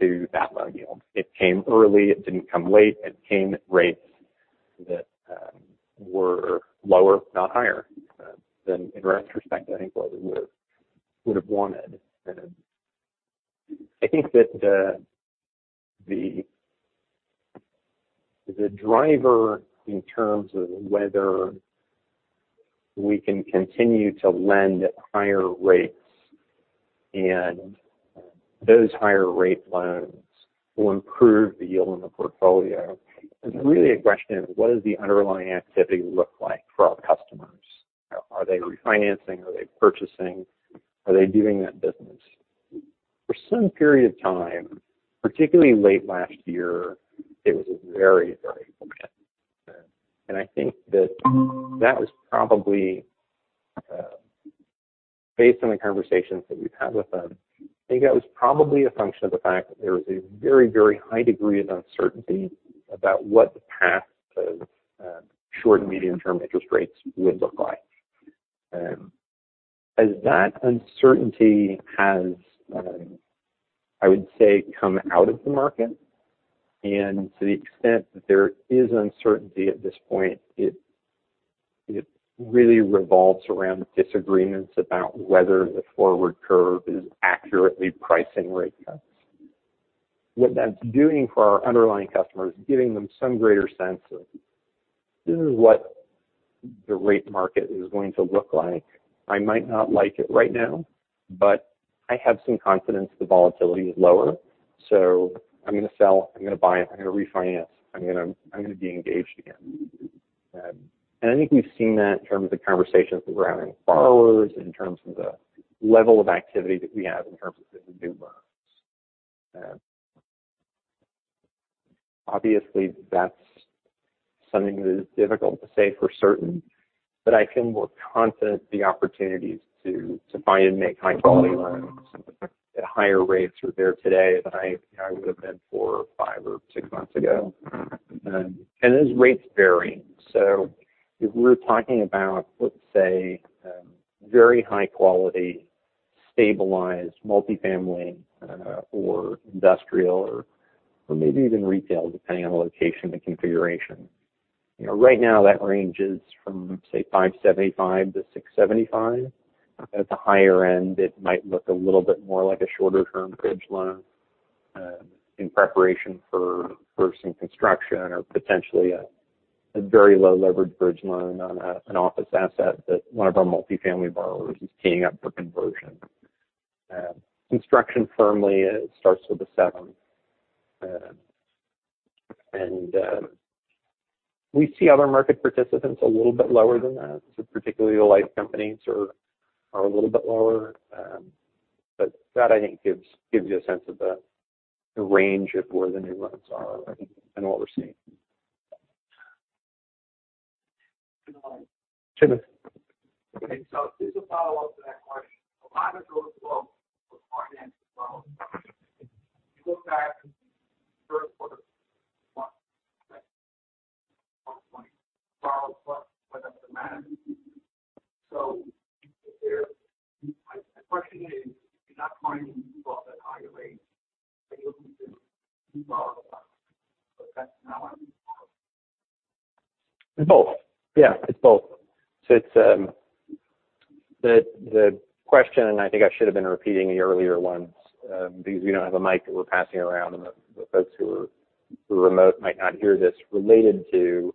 to that loan yield. It came early, it didn't come late. It came at rates that were lower, not higher than in retrospect, I think what we would have wanted. I think that the driver in terms of whether we can continue to lend at higher rates and those higher rate loans will improve the yield in the portfolio is really a question of what does the underlying activity look like for our customers? Are they refinancing? Are they purchasing? Are they doing that business? For some period of time, particularly late last year, it was a very, very. I think that that was probably, based on the conversations that we've had with them, I think that was probably a function of the fact that there was a very, very high degree of uncertainty about what the path of short and medium-term interest rates would look like. As that uncertainty has, I would say, come out of the market, to the extent that there is uncertainty at this point, it really revolves around disagreements about whether the forward curve is accurately pricing rate cuts. What that's doing for our underlying customers, giving them some greater sense of this is what the rate market is going to look like. I might not like it right now, but I have some confidence the volatility is lower. I'm gonna sell, I'm gonna buy, I'm gonna refinance. I'm gonna be engaged again. I think we've seen that in terms of conversations that we're having with borrowers in terms of the level of activity that we have in terms of the new loans. Obviously, that's something that is difficult to say for certain, but I feel more confident the opportunities to buy and make high-quality loans at higher rates are there today than I would have been four or five or six months ago. Those rates vary. If we're talking about, let's say, very high quality, stabilized multifamily, or industrial or maybe even retail, depending on the location and configuration. You know, right now that range is from, say, 5.75%-6.75%. At the higher end, it might look a little bit more like a shorter-term bridge loan, in preparation for some construction or potentially a very low leverage bridge loan on an office asset that one of our multifamily borrowers is teeing up for conversion. Construction firmly starts with a 7%. We see other market participants a little bit lower than that. Particularly the life companies are a little bit lower. That I think gives you a sense of the range of where the new loans are, I think, and what we're seeing. Can I- Sure. Okay. Just a follow-up to that question. A lot of those loans were finance loans. You go back first quarter. My question is, if you're not finding people at higher rates, are you looking to move on? That's not. It's both. Yeah, it's both. The question, and I think I should have been repeating the earlier ones, because we don't have a mic that we're passing around, and the folks who are remote might not hear this related to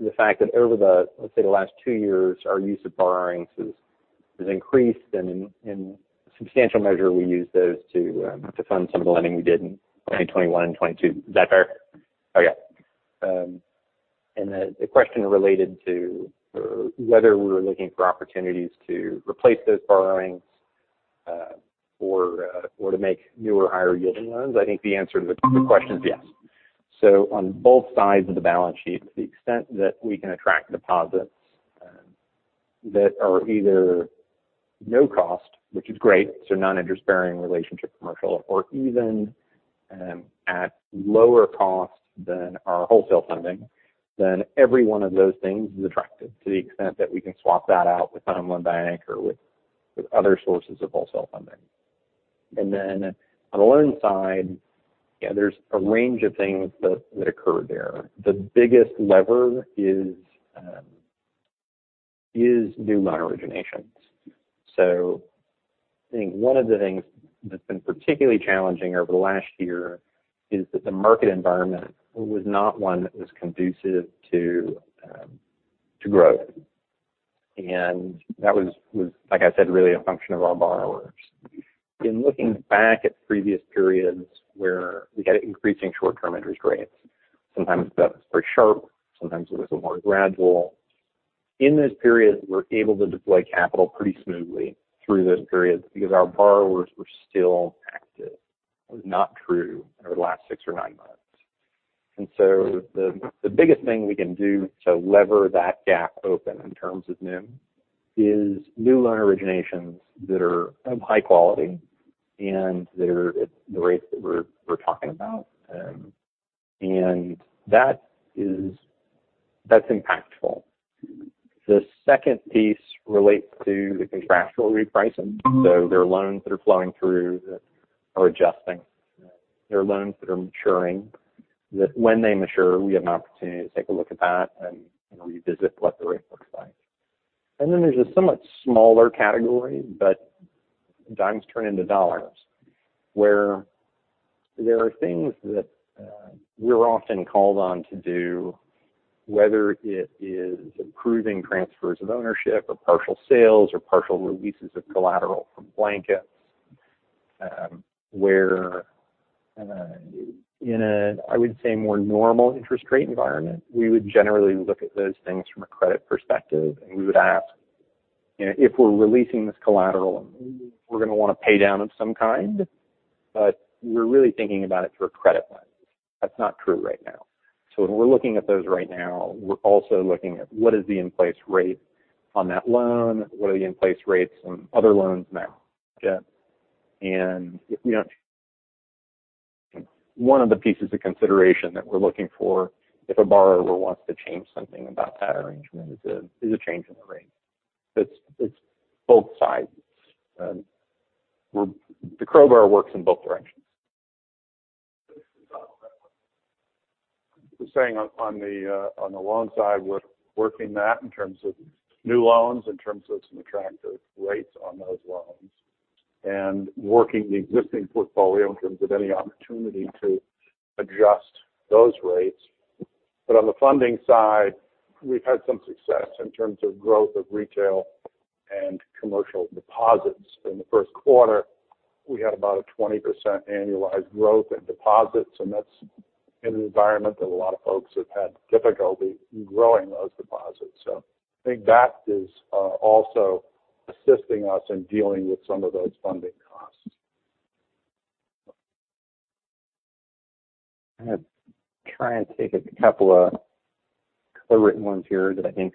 the fact that over the, let's say, the last two years, our use of borrowings has increased. In substantial measure, we use those to fund some of the lending we did in 2021 and 2022. Is that fair? Okay. The question related to whether we were looking for opportunities to replace those borrowings or to make newer, higher yielding loans. I think the answer to the question is yes. On both sides of the balance sheet, to the extent that we can attract deposits, that are either no cost, which is great, non-interest bearing relationship commercial, or even at lower cost than our wholesale funding, then every one of those things is attractive to the extent that we can swap that out with online bank or with other sources of wholesale funding. On the loan side, yeah, there's a range of things that occur there. The biggest lever is new loan originations. I think one of the things that's been particularly challenging over the last year is that the market environment was not one that was conducive to growth. That was, like I said, really a function of our borrowers. In looking back at previous periods where we had increasing short-term interest rates, sometimes that was pretty sharp, sometimes it was more gradual. In those periods, we're able to deploy capital pretty smoothly through those periods because our borrowers were still active. That was not true over the last six or nine months. The biggest thing we can do to lever that gap open in terms of NIM is new loan originations that are of high quality and they're at the rates that we're talking about. That's impactful. The second piece relates to the contractual repricing. There are loans that are flowing through that are adjusting. There are loans that are maturing, that when they mature, we have an opportunity to take a look at that and revisit what the rate looks like. Then there's a somewhat smaller category, but dimes turn into dollars, where there are things that we're often called on to do, whether it is approving transfers of ownership or partial sales or partial releases of collateral from blankets, where in a, I would say, more normal interest rate environment, we would generally look at those things from a credit perspective. We would ask, you know, if we're releasing this collateral, we're going to want to pay down of some kind. We're really thinking about it through a credit lens. That's not true right now. When we're looking at those right now, we're also looking at what is the in-place rate on that loan, what are the in-place rates on other loans now. You know, one of the pieces of consideration that we're looking for if a borrower wants to change something about that arrangement is a change in the rate. It's both sides. The crowbar works in both directions. Just to follow that one. Saying on the loan side, we're working that in terms of new loans, in terms of some attractive rates on those loans, and working the existing portfolio in terms of any opportunity to adjust those rates. On the funding side, we've had some success in terms of growth of Retail and Commercial Deposits. In the first quarter, we had about a 20% annualized growth in deposits, and that's in an environment that a lot of folks have had difficulty in growing those deposits. I think that is also assisting us in dealing with some of those funding costs. I'm gonna try and take a couple of co-written ones here that I think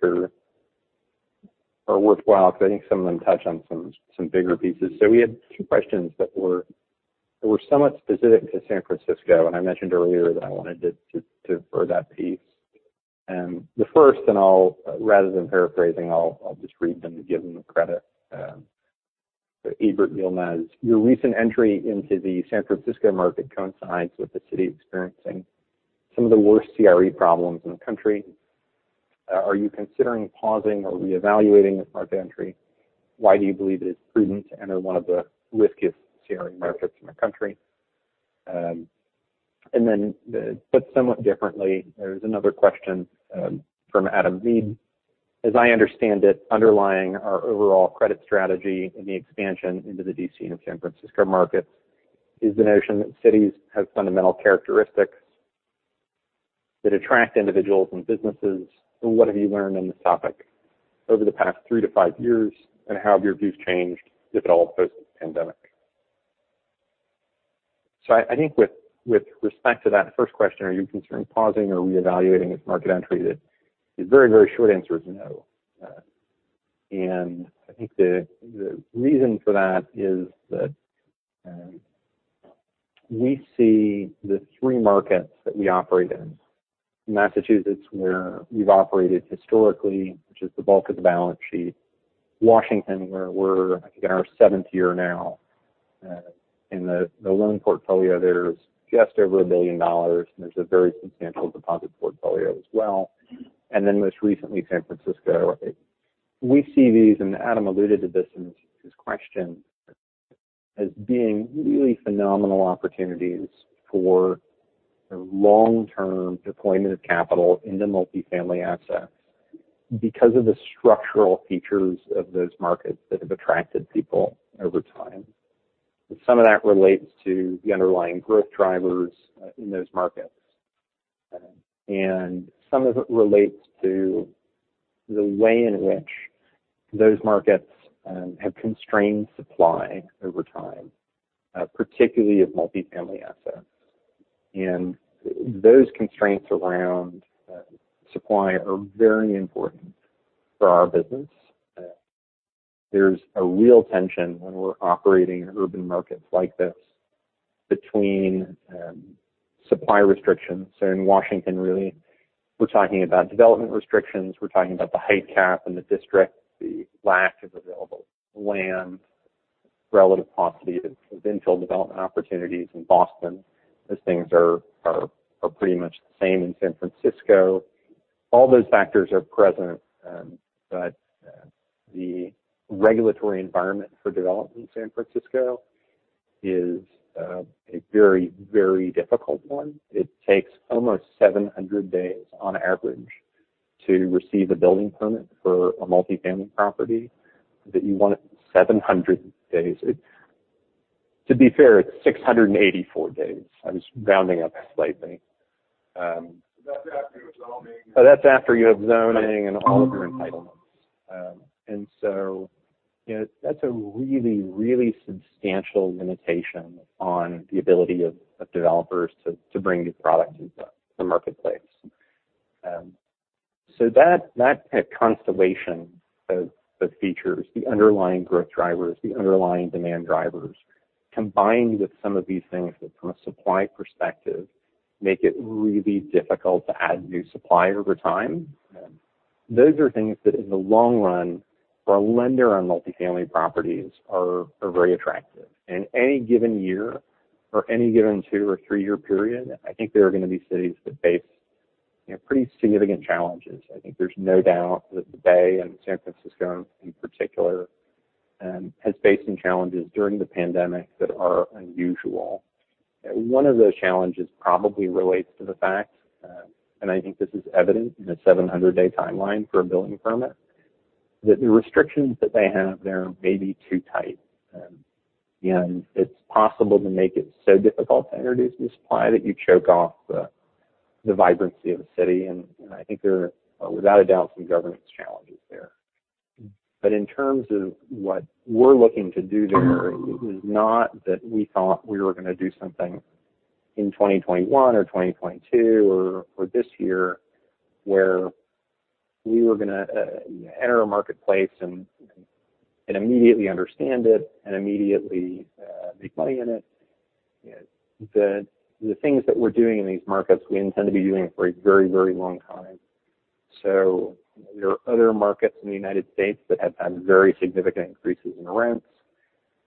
are worthwhile because I think some of them touch on some bigger pieces. We had two questions that were somewhat specific to San Francisco, and I mentioned earlier that I wanted to defer that piece. The first, and rather than paraphrasing, I'll just read them to give them the credit. [Ebert Vilnez]. Your recent entry into the San Francisco market coincides with the city experiencing some of the worst CRE problems in the country. Are you considering pausing or reevaluating this market entry? Why do you believe it is prudent to enter one of the riskiest CRE markets in the country? Somewhat differently, there's another question from Adam Mead. As I understand it, underlying our overall credit strategy in the expansion into the D.C. and San Francisco markets is the notion that cities have fundamental characteristics that attract individuals and businesses. What have you learned on this topic over the past three to five years, and how have your views changed, if at all, post-pandemic? I think with respect to that first question, are you concerned pausing or reevaluating this market entry? The very short answer is no. And I think the reason for that is that we see the three markets that we operate in, Massachusetts, where we've operated historically, which is the bulk of the balance sheet, Washington, where we're, I think, in our seventh year now. In the loan portfolio there's just over $1 billion, and there's a very substantial deposit portfolio as well. Most recently, San Francisco. We see these, and Adam alluded to this in his question, as being really phenomenal opportunities for the long-term deployment of capital into multifamily assets because of the structural features of those markets that have attracted people over time. Some of that relates to the underlying growth drivers in those markets. Some of it relates to the way in which those markets have constrained supply over time, particularly of multifamily assets. Those constraints around supply are very important for our business. There's a real tension when we're operating in urban markets like this between supply restrictions. In Washington, really, we're talking about development restrictions, we're talking about the height cap in the district, the lack of available land, relative paucity of potential development opportunities in Boston, those things are pretty much the same in San Francisco. All those factors are present. The regulatory environment for development in San Francisco is a very, very difficult one. It takes almost 700 days on average to receive a building permit for a multifamily property that you want 700 days. To be fair, it's 684 days. I was rounding up slightly. That's after you have zoning— That's after you have zoning and all of your entitlements. That's a really, really substantial limitation on the ability of developers to bring new products into the marketplace. That constellation of features, the underlying growth drivers, the underlying demand drivers, combined with some of these things that from a supply perspective, make it really difficult to add new supply over time. Those are things that in the long run for a lender on multifamily properties are very attractive. In any given year or any given two or three-year period, I think there are gonna be cities that face, you know, pretty significant challenges. I think there's no doubt that the Bay and San Francisco in particular has faced some challenges during the pandemic that are unusual. One of those challenges probably relates to the fact, and I think this is evident in the 700-day timeline for a building permit, that the restrictions that they have there may be too tight. It's possible to make it so difficult to introduce new supply that you choke off the vibrancy of the city. You know, I think there are, without a doubt, some governance challenges there. In terms of what we're looking to do there, it was not that we thought we were gonna do something in 2021 or 2022 or this year where we were gonna enter a marketplace and immediately understand it and immediately make money in it. You know, the things that we're doing in these markets, we intend to be doing it for a very, very long time. There are other markets in the United States that have had very significant increases in rents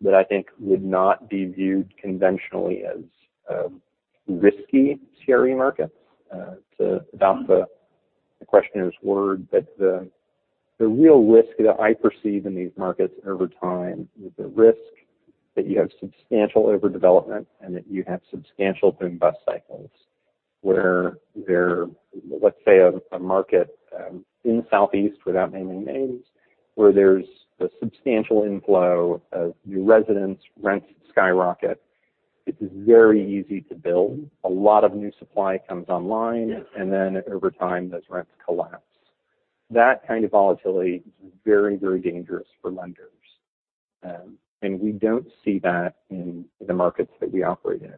that I think would not be viewed conventionally as risky CRE markets to adopt the questioner's word. The real risk that I perceive in these markets over time is the risk that you have substantial overdevelopment and that you have substantial boom bust cycles. Let's say a market in the Southeast, without naming names, where there's a substantial inflow of new residents, rents skyrocket. It is very easy to build. A lot of new supply comes online, and then over time, those rents collapse. That kind of volatility is very, very dangerous for lenders. We don't see that in the markets that we operate in.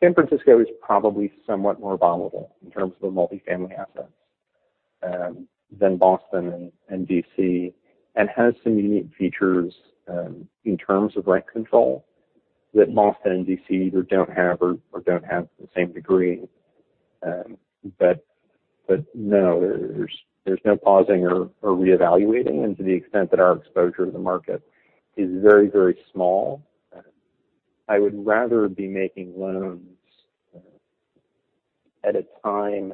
San Francisco is probably somewhat more volatile in terms of the multifamily assets, than Boston and D.C., and has some unique features, in terms of rent control that Boston and D.C. either don't have or don't have to the same degree. No, there's no pausing or reevaluating. To the extent that our exposure to the market is very, very small, I would rather be making loans, at a time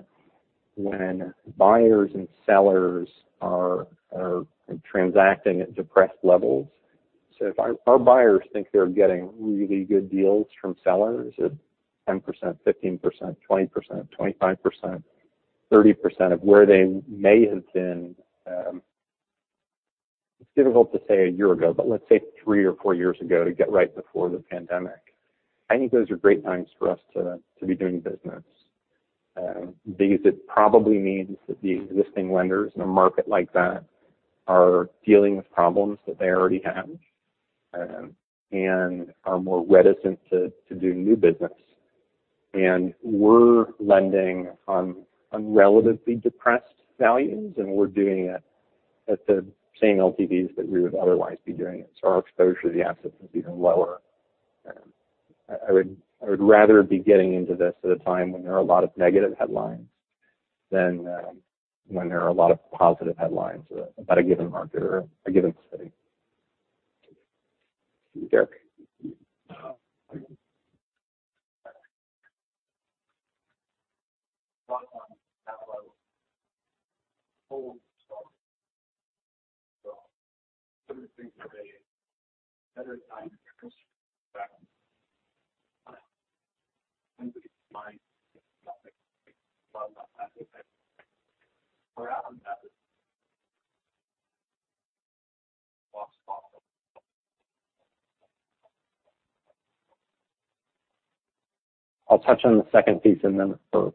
when buyers and sellers are transacting at depressed levels. If our buyers think they're getting really good deals from sellers at 10%, 15%, 20%, 25%, 30% of where they may have been—it's difficult to say a year ago, but let's say three or four years ago to get right before the pandemic. I think those are great times for us to be doing business. Because it probably means that the existing lenders in a market like that are dealing with problems that they already have, and are more reticent to do new business. We're lending on relatively depressed values, and we're doing it at the same LTVs that we would otherwise be doing it. Our exposure to the assets is even lower. I would rather be getting into this at a time when there are a lot of negative headlines than when there are a lot of positive headlines about a given market or a given city. Derek? I'll touch on the second piece and then the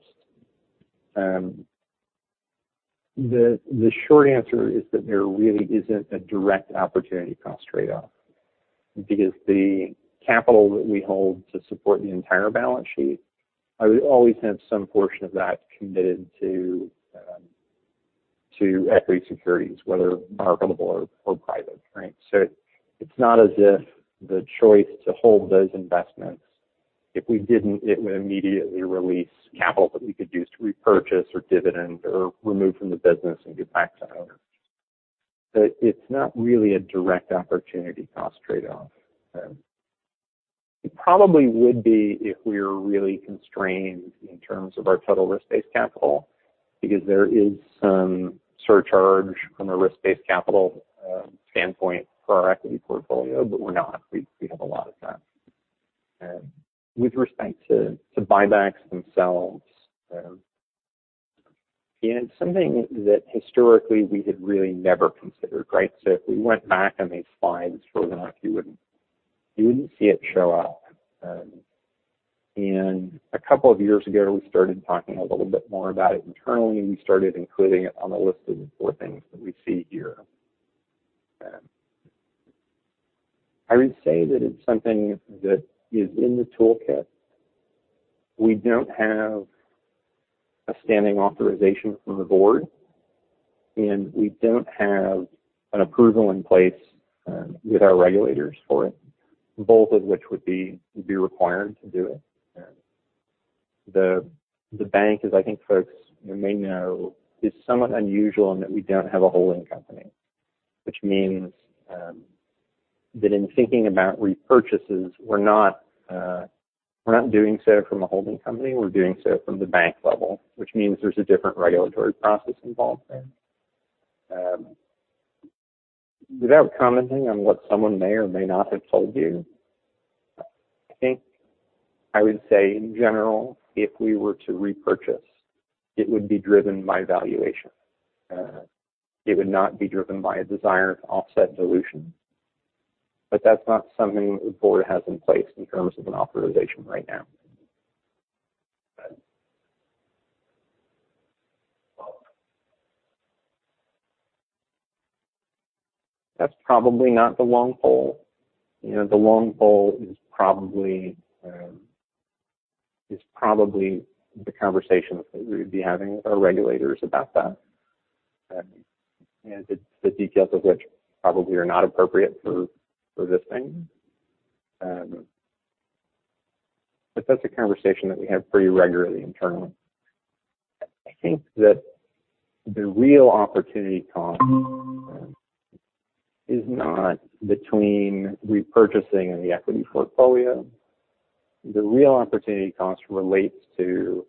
first. The short answer is that there really isn't a direct opportunity cost trade-off. The capital that we hold to support the entire balance sheet, I would always have some portion of that committed to equity securities, whether marketable or private, right? It's not as if the choice to hold those investments, if we didn't, it would immediately release capital that we could use to repurchase, or dividend, or remove from the business and give back to owners. It's not really a direct opportunity cost trade-off. It probably would be if we were really constrained in terms of our total risk-based capital, because there is some surcharge from a risk-based capital standpoint for our equity portfolio, but we're not. We have a lot of that. With respect to buybacks themselves, again, something that historically we had really never considered, right? If we went back on these slides further back, you wouldn't see it show up. Two years ago, we started talking a little bit more about it internally, and we started including it on the list of the four things that we see here. I would say that it's something that is in the toolkit. We don't have a standing authorization from the board, and we don't have an approval in place, with our regulators for it, both of which would be required to do it. The bank, as I think folks may know, is somewhat unusual in that we don't have a holding company, which means that in thinking about repurchases, we're not doing so from a holding company. We're doing so from the bank level, which means there's a different regulatory process involved there. Without commenting on what someone may or may not have told you, I think I would say in general, if we were to repurchase, it would be driven by valuation. It would not be driven by a desire to offset dilution. That's not something the board has in place in terms of an authorization right now. That's probably not the long pole. You know, the long pole is probably the conversations that we'd be having with our regulators about that. The details of which probably are not appropriate for this thing. That's a conversation that we have pretty regularly internally. I think that the real opportunity cost is not between repurchasing and the equity portfolio. The real opportunity cost relates to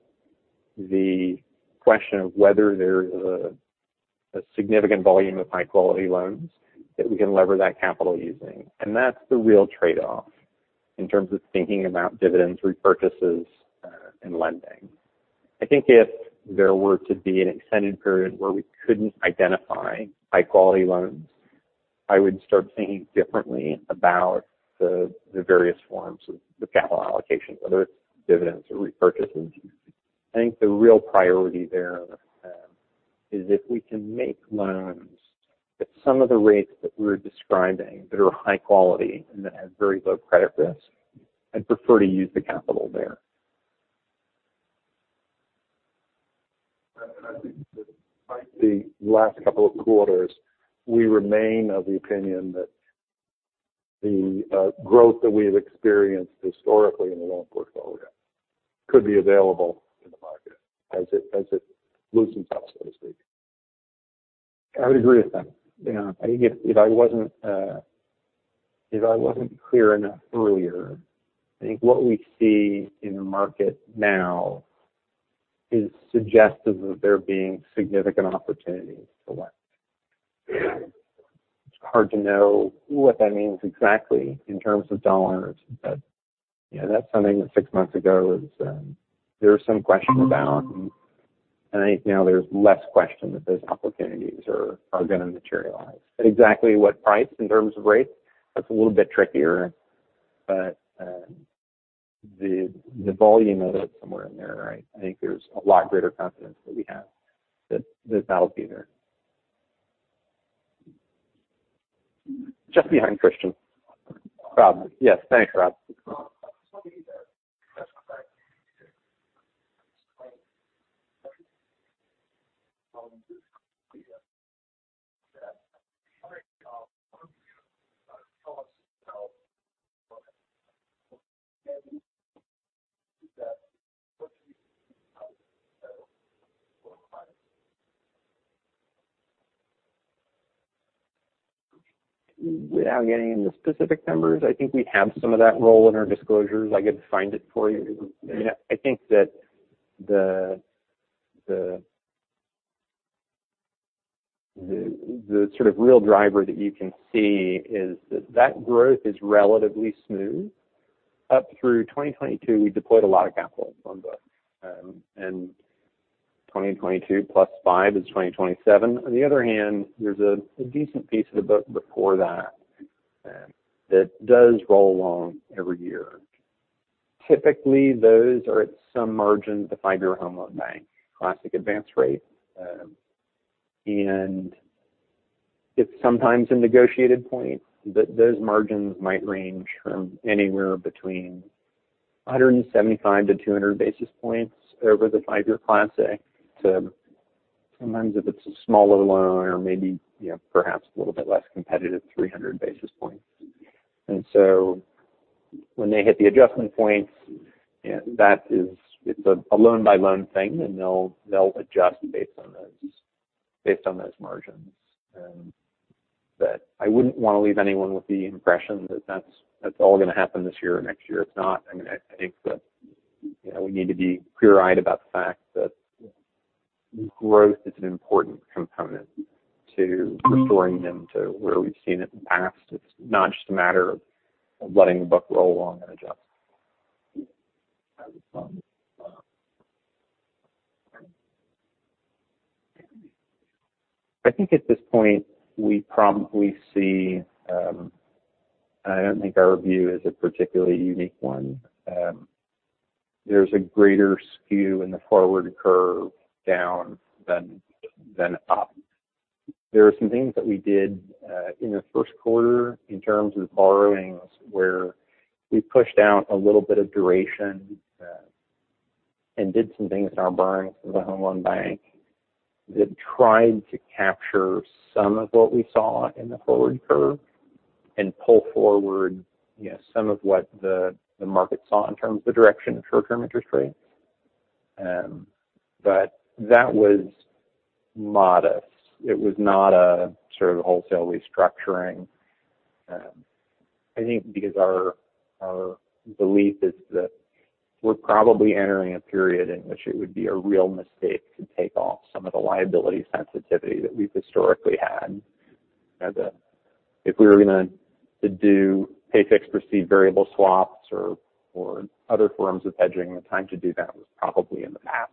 the question of whether there's a significant volume of high-quality loans that we can lever that capital using. That's the real trade-off in terms of thinking about dividends, repurchases, and lending. I think if there were to be an extended period where we couldn't identify high-quality loans, I would start thinking differently about the various forms of the capital allocation, whether it's dividends or repurchases. I think the real priority there, is if we can make loans at some of the rates that we're describing that are high quality and that have very low credit risk, I'd prefer to use the capital there. I think that despite the last couple of quarters, we remain of the opinion that the growth that we have experienced historically in the loan portfolio could be available in the market as it, as it loosens up, so to speak. I would agree with that. Yeah. I think if I wasn't clear enough earlier, I think what we see in the market now is suggestive of there being significant opportunities to lend. It's hard to know what that means exactly in terms of dollars. You know, that's something that six months ago was, there was some question about. I think now there's less question that those opportunities are gonna materialize. At exactly what price in terms of rates? That's a little bit trickier. The volume of it somewhere in there, I think there's a lot greater confidence that we have that will be there. Just behind Cristian. Rob. Yes, thanks, Rob. Without getting into specific numbers, I think we have some of that roll in our disclosures. I could find it for you. I think that the sort of real driver that you can see is that that growth is relatively smooth. Up through 2022, we deployed a lot of capital on the books. And 2022 plus 5 is 2027. On the other hand, there's a decent piece of the book before that does roll along every year. Typically, those are at some margin, the five-year Home Loan Bank Classic Advance rate. It's sometimes a negotiated point, but those margins might range from anywhere between 175 basis points-200 basis points over the five-year Classic Advance to sometimes if it's a smaller loan or maybe, you know, perhaps a little bit less competitive, 300 basis points. When they hit the adjustment points, you know, it's a loan-by-loan thing, and they'll adjust based on those, based on those margins. I wouldn't want to leave anyone with the impression that that's all going to happen this year or next year. It's not. I mean, I think that, you know, we need to be clear-eyed about the fact that growth is an important component to restoring them to where we've seen it in the past. It's not just a matter of letting the book roll along and adjust. I think at this point we probably see, I don't think our view is a particularly unique one. There's a greater skew in the forward curve down than up. There are some things that we did in the first quarter in terms of borrowings, where we pushed out a little bit of duration, and did some things in our borrowings with the Federal Home Loan Bank that tried to capture some of what we saw in the forward curve and pull forward, you know, some of what the market saw in terms of the direction of short-term interest rates. But that was modest. It was not a sort of wholesale restructuring. I think because our belief is that we're probably entering a period in which it would be a real mistake to take off some of the liability sensitivity that we've historically had. If we were going to do pay-fix, receive variable swaps or other forms of hedging, the time to do that was probably in the past.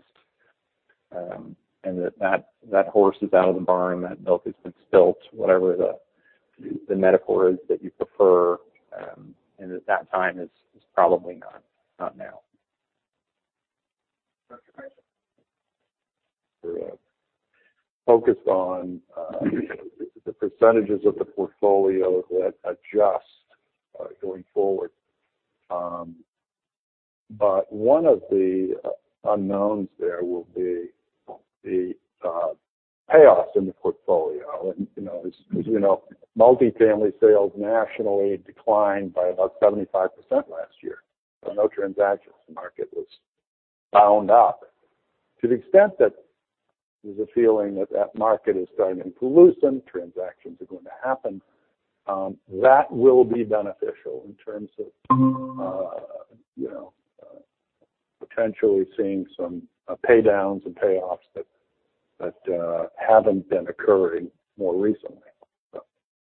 That horse is out of the barn, that milk has been spilt, whatever the metaphor is that you prefer. At that time, it's probably not now. focused on the percentages of the portfolio that adjust going forward. One of the unknowns there will be the payoffs in the portfolio. You know, as you know, multifamily sales nationally declined by about 75% last year. No transactions. The market was bound up. To the extent that there's a feeling that that market is starting to loosen, transactions are going to happen, that will be beneficial in terms of, you know, potentially seeing some pay downs and payoffs that haven't been occurring more recently.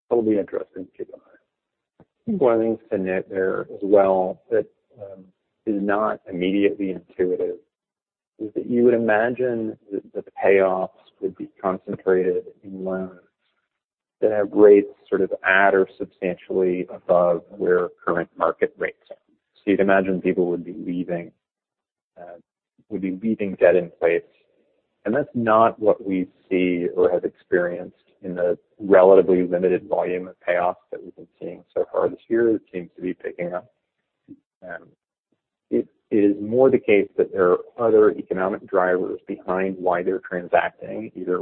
That'll be interesting to keep an eye on. One thing to note there as well that is not immediately intuitive is that you would imagine that the payoffs would be concentrated in loans that have rates sort of at or substantially above where current market rates are. You'd imagine people would be leaving, would be leaving debt in place. That's not what we see or have experienced in the relatively limited volume of payoffs that we've been seeing so far this year. It seems to be picking up. It is more the case that there are other economic drivers behind why they're transacting, either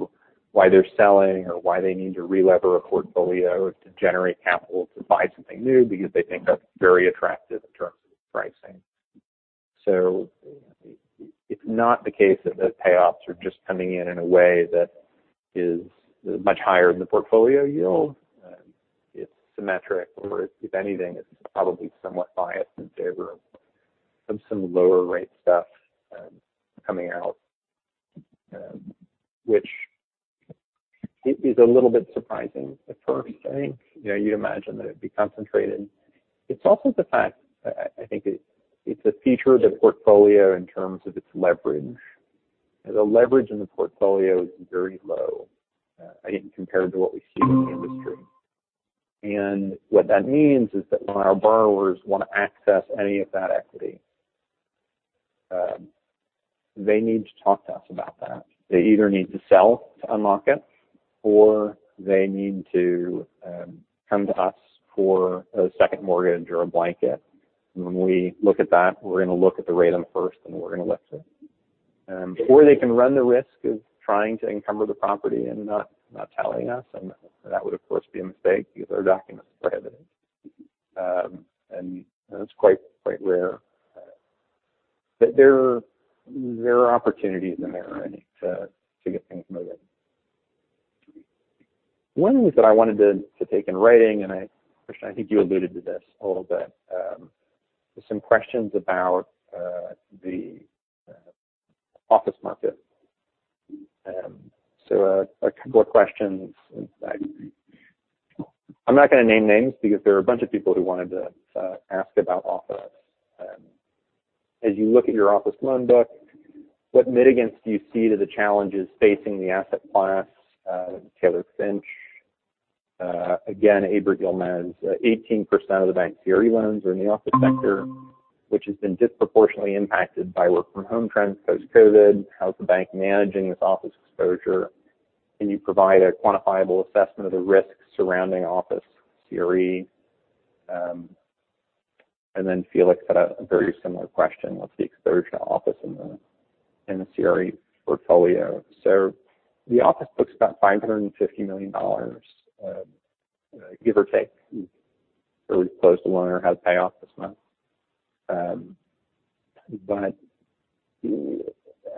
why they're selling or why they need to relever a portfolio to generate capital to buy something new because they think that's very attractive in terms of pricing. It's not the case that the payoffs are just coming in in a way that is much higher than the portfolio yield. It's symmetric, or if anything, it's probably somewhat biased in favor of some lower rate stuff coming out, which is a little bit surprising at first. I think you'd imagine that it'd be concentrated. It's also the fact, I think it's a feature of the portfolio in terms of its leverage. The leverage in the portfolio is very low compared to what we see in the industry. What that means is that when our borrowers want to access any of that equity, they need to talk to us about that. They either need to sell to unlock it, or they need to come to us for a second mortgage or a blanket. When we look at that, we're going to look at the rate on first and we're going to look to it. They can run the risk of trying to encumber the property and not telling us. That would, of course, be a mistake because our documents are prohibited. That's quite rare. There are opportunities in there to get things moving. One of the things that I wanted to take in writing, and Cristian, I think you alluded to this a little bit, there's some questions about the office market. A couple of questions. I'm not going to name names because there are a bunch of people who wanted to ask about office. As you look at your office loan book, what mitigants do you see to the challenges facing the asset class, Taylor Finch? Abra Yilmaz, 18% of the bank's CRE loans are in the office sector, which has been disproportionately impacted by work from home trends post-COVID. How's the bank managing this office exposure? Can you provide a quantifiable assessment of the risks surrounding office CRE? Felix had a very similar question. What's the exposure to office in the CRE portfolio? The office book's about $550 million, give or take, or close to or has payoff this month. I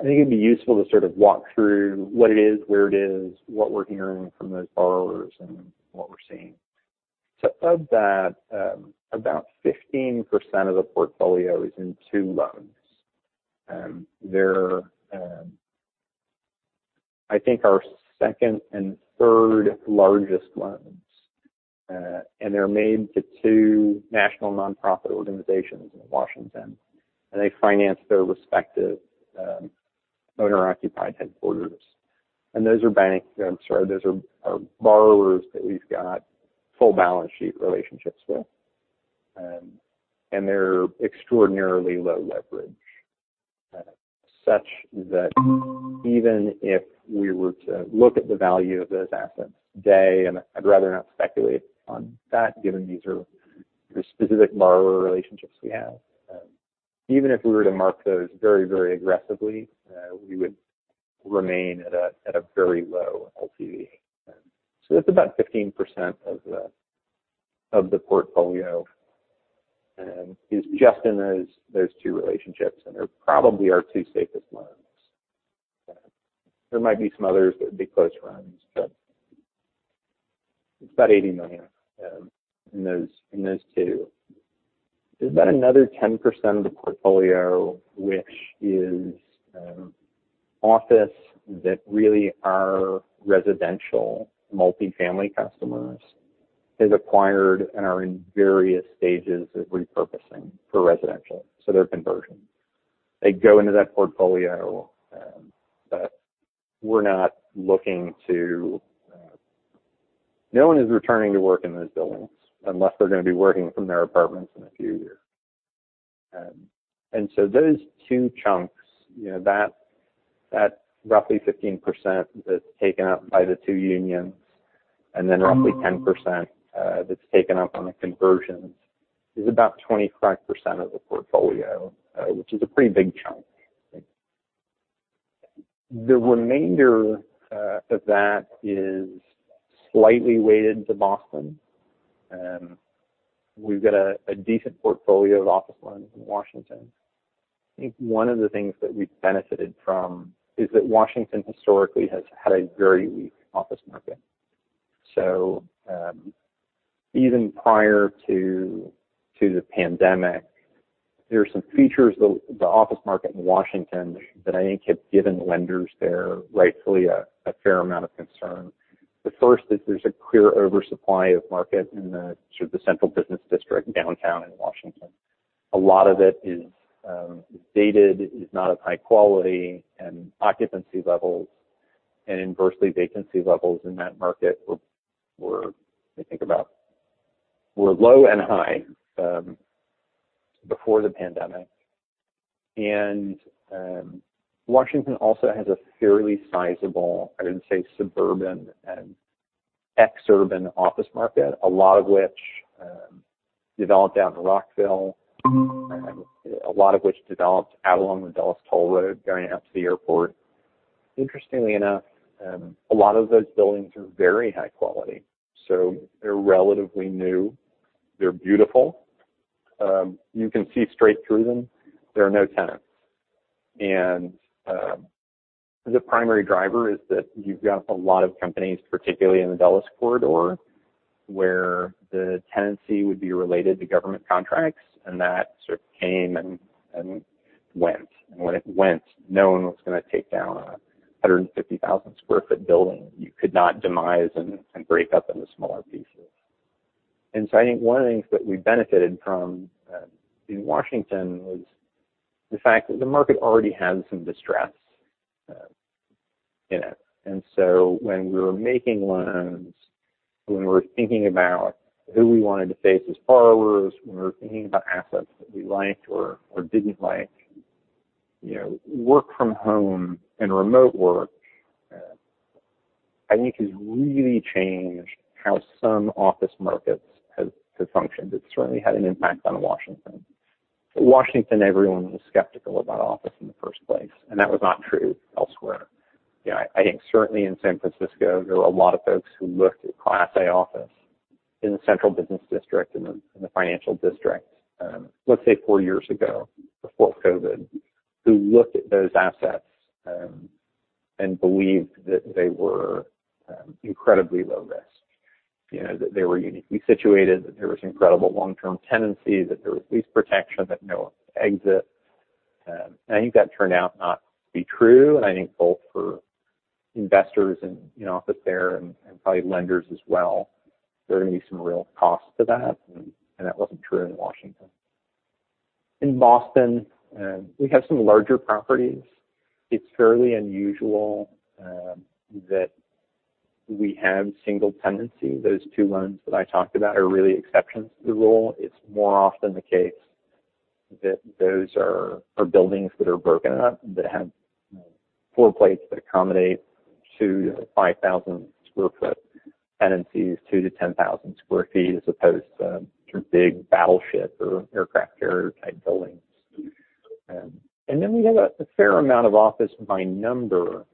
think it'd be useful to sort of walk through what it is, where it is, what we're hearing from those borrowers and what we're seeing. Of that, about 15% of the portfolio is in two loans. They're, I think, our second and third largest loans, and they're made to two national nonprofit organizations in Washington, and they finance their respective owner-occupied headquarters. Those are banks, I'm sorry, those are borrowers that we've got full balance sheet relationships with. They're extraordinarily low leverage, such that even if we were to look at the value of those assets today, and I'd rather not speculate on that, given these are the specific borrower relationships we have. Even if we were to mark those very, very aggressively, we would remain at a very low LTV. That's about 15% of the portfolio is just in those two relationships and are probably our two safest loans. There might be some others that would be close runs, but it's about $80 million in those two. There's about another 10% of the portfolio, which is office that really our residential multifamily customers has acquired and are in various stages of repurposing for residential. They're conversion. They go into that portfolio, but we're not looking to— No one is returning to work in those buildings unless they're going to be working from their apartments in a few years. Those two chunks, that roughly 15% that's taken up by the two unions, and then roughly 10% that's taken up on the conversions is about 25% of the portfolio, which is a pretty big chunk. The remainder of that is slightly weighted to Boston. We've got a decent portfolio of office loans in Washington. I think one of the things that we've benefited from is that Washington historically has had a very weak office market. Even prior to the pandemic, there are some features of the office market in Washington that I think have given lenders there rightfully a fair amount of concern. The first is there's a clear oversupply of market in the central business district downtown in Washington. A lot of it is dated, is not of high quality, and occupancy levels and inversely vacancy levels in that market were, I think, about were low and high before the pandemic. Washington also has a fairly sizable, I wouldn't say suburban and exurban office market, a lot of which developed out in Rockville, and a lot of which developed out along the Dulles Toll Road going up to the airport. Interestingly enough, a lot of those buildings are very high quality. They're relatively new, they're beautiful, you can see straight through them. There are no tenants. The primary driver is that you've got a lot of companies, particularly in the Dulles Corridor, where the tenancy would be related to government contracts, and that sort of came and went. When it went, no one was gonna take down a 150,000 sq ft building. You could not demise and break up into smaller pieces. I think one of the things that we benefited from in Washington was the fact that the market already had some distress in it. When we were making loans, when we were thinking about who we wanted to face as borrowers, when we were thinking about assets that we liked or didn't like, you know, work from home and remote work, I think has really changed how some office markets has functioned. It certainly had an impact on Washington. Washington, everyone was skeptical about office in the first place, and that was not true elsewhere. You know, I think certainly in San Francisco, there were a lot of folks who looked at class A office in the central business district, in the financial district, let's say four years ago, before COVID, who looked at those assets, and believed that they were incredibly low risk. You know, that they were uniquely situated, that there was incredible long-term tenancy, that there was lease protection, that no exit. I think that turned out not to be true, and I think both for investors and, you know, office there and probably lenders as well, there are gonna be some real costs to that, and that wasn't true in Washington. In Boston, we have some larger properties. It's fairly unusual, that we have single tenancy. Those two loans that I talked about are really exceptions to the rule. It's more often the case that those are buildings that are broken up, that have, you know, floor plates that accommodate 2,000 sq ft-5,000 sq ft tenancies, 2,000 sq ft-10,000 sq ft, as opposed to big battleship or aircraft carrier-type buildings. We have a fair amount of office by number,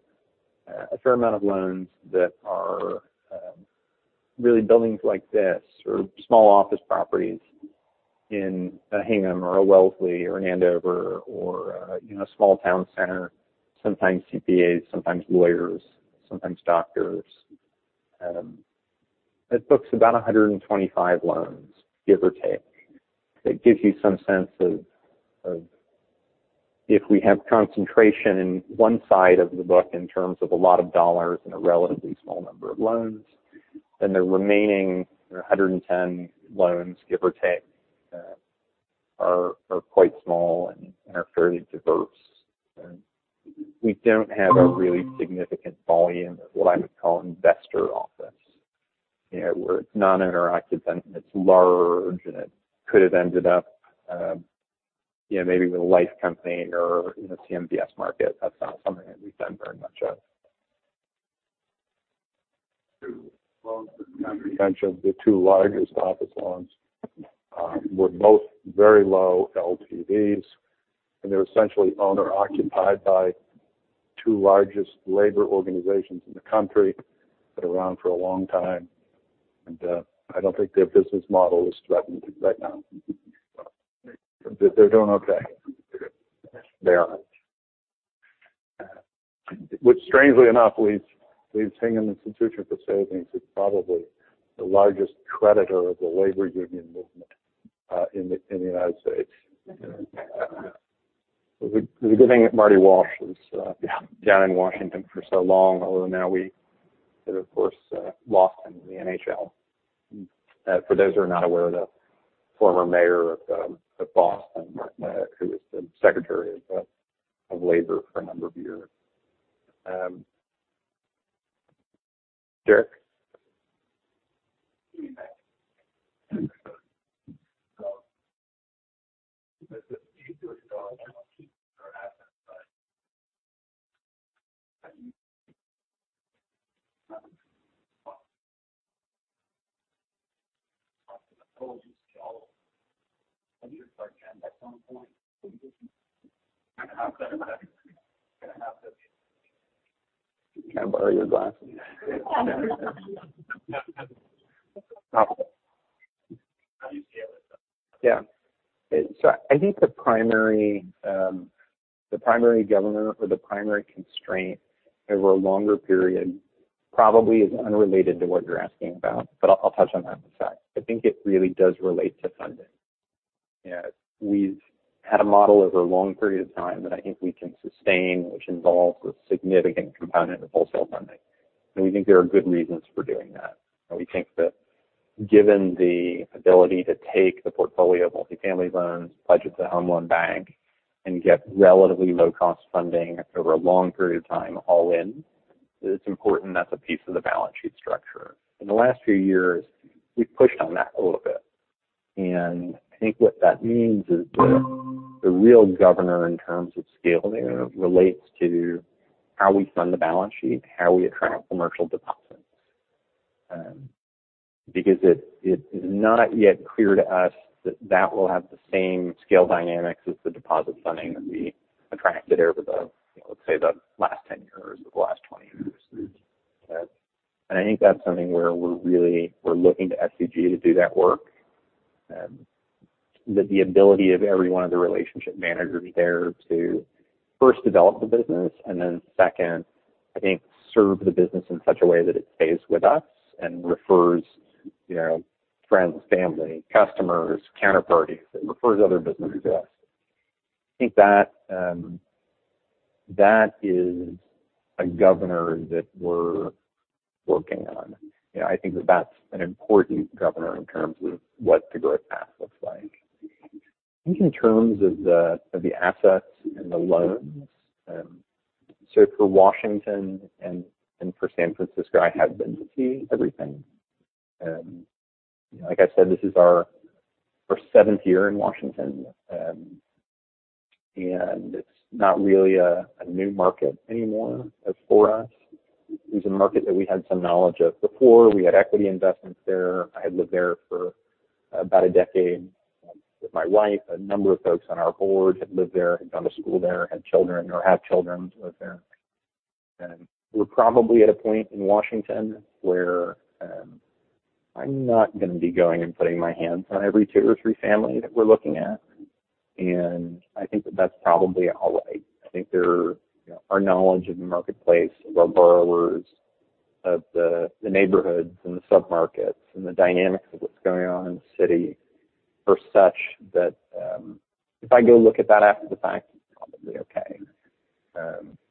a fair amount of loans that are really buildings like this or small office properties in a Hingham or a Wellesley or an Andover or, you know, small town center, sometimes CPAs, sometimes lawyers, sometimes doctors. That book's about 125 loans, give or take. That gives you some sense of if we have concentration in one side of the book in terms of a lot of dollar and a relatively small number of loans, then the remaining, you know, 110 loans, give or take, are quite small and are fairly diverse. We don't have a really significant volume of what I would call investor office. You know, where it's non-owner occupied, and it's large, and it could have ended up, you know, maybe with a life company or in a CMBS market. That's not something that we've done very much of. 2 loans that you mentioned, the two largest office loans, were both very low LTVs. They're essentially owner occupied by two largest labor organizations in the country. Been around for a long time, I don't think their business model is threatened right now. They're doing okay. They are. Which strangely enough leaves Hingham Institution for Savings is probably the largest creditor of the labor union movement in the United States. We're giving Marty Walsh, who's down in Washington for so long, although now we have, of course, lost him to the NHL. For those who are not aware, the former mayor of Boston, who was the Secretary of Labor for a number of years. Derek? Can I borrow your glasses? Yeah. I think the primary, the primary governor or the primary constraint over a longer period probably is unrelated to what you're asking about, but I'll touch on that in a sec. I think it really does relate to funding. You know, we've had a model over a long period of time that I think we can sustain, which involves a significant component of wholesale funding. We think there are good reasons for doing that. We think that given the ability to take the portfolio of multifamily loans, pledge it to Home Loan Bank, and get relatively low-cost funding over a long period of time all in. It's important that's a piece of the balance sheet structure. In the last few years, we've pushed on that a little bit. I think what that means is the real governor in terms of scaling relates to how we fund the balance sheet, how we attract commercial deposits. Because it is not yet clear to us that that will have the same scale dynamics as the deposit funding that we attracted over the, let's say, the last 10 years or the last 20 years. I think that's something where we're really looking to SDG to do that work. The ability of every one of the relationship managers there to first develop the business and then second, I think, serve the business in such a way that it stays with us and refers, you know, friends, family, customers, counterparties, it refers other business to us. I think that that is a governor that we're working on. You know, I think that that's an important governor in terms of what the growth path looks like. I think in terms of the, of the assets and the loans, so for Washington and for San Francisco, I have been to see everything. Like I said, this is our seventh year in Washington, and it's not really a new market anymore for us. It was a market that we had some knowledge of. Before, we had equity investments there. I had lived there for about a decade with my wife. A number of folks on our board had lived there, had gone to school there, had children or have children, live there. We're probably at a point in Washington where, I'm not going to be going and putting my hands on every two- or three-family that we're looking at. I think that that's probably all right. I think our knowledge of the marketplace, of our borrowers, of the neighborhoods and the submarkets and the dynamics of what's going on in the city are such that, if I go look at that after the fact, it's probably okay.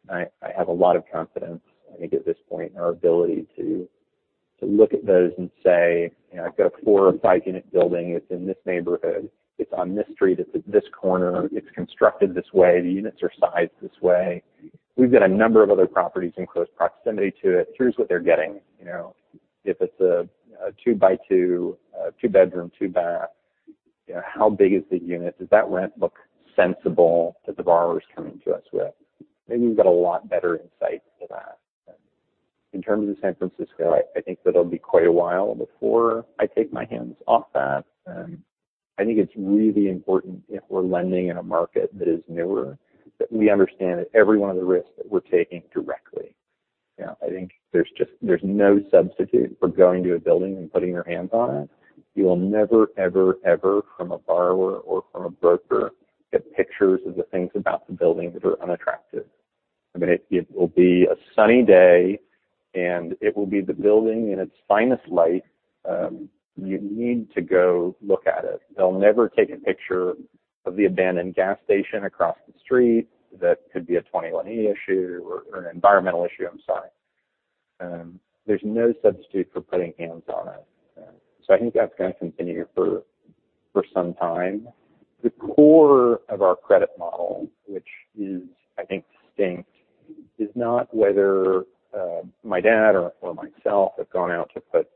I have a lot of confidence, I think at this point, in our ability to look at those and say, you know, I've got a four or five-unit building. It's in this neighborhood. It's on this street. It's at this corner. It's constructed this way. The units are sized this way. We've got a number of other properties in close proximity to it. Here's what they're getting. You know, if it's a two by two, two bedrooms, two bath, how big is the unit? Does that rent look sensible that the borrower is coming to us with? I think we've got a lot better insight to that. In terms of San Francisco, I think that it'll be quite a while before I take my hands off that. I think it's really important if we're lending in a market that is newer, that we understand every one of the risks that we're taking directly. You know, I think there's no substitute for going to a building and putting your hands on it. You will never, ever from a borrower or from a broker get pictures of the things about the building that are unattractive. I mean, it will be a sunny day, and it will be the building in its finest light. You need to go look at it. They'll never take a picture of the abandoned gas station across the street. That could be a 21A issue or an environmental issue. I'm sorry. There's no substitute for putting hands on it. I think that's going to continue for some time. The core of our credit model, which is, I think, distinct, is not whether my dad or myself have gone out to put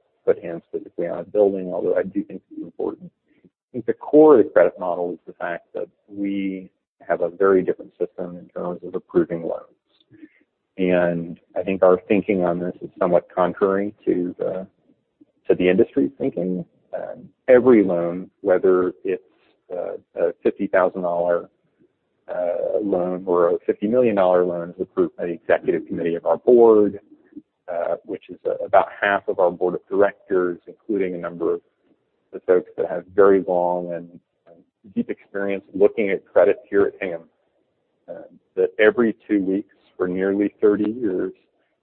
hands physically on a building, although I do think it's important. I think the core of the credit model is the fact that we have a very different system in terms of approving loans. I think our thinking on this is somewhat contrary to the industry's thinking. Every loan, whether it's a $50,000 loan or a $50 million loan, is approved by the executive committee of our board, which is about half of our board of directors, including a number of the folks that have very long and deep experience looking at credit here at Hingham. That every two weeks for nearly 30 years,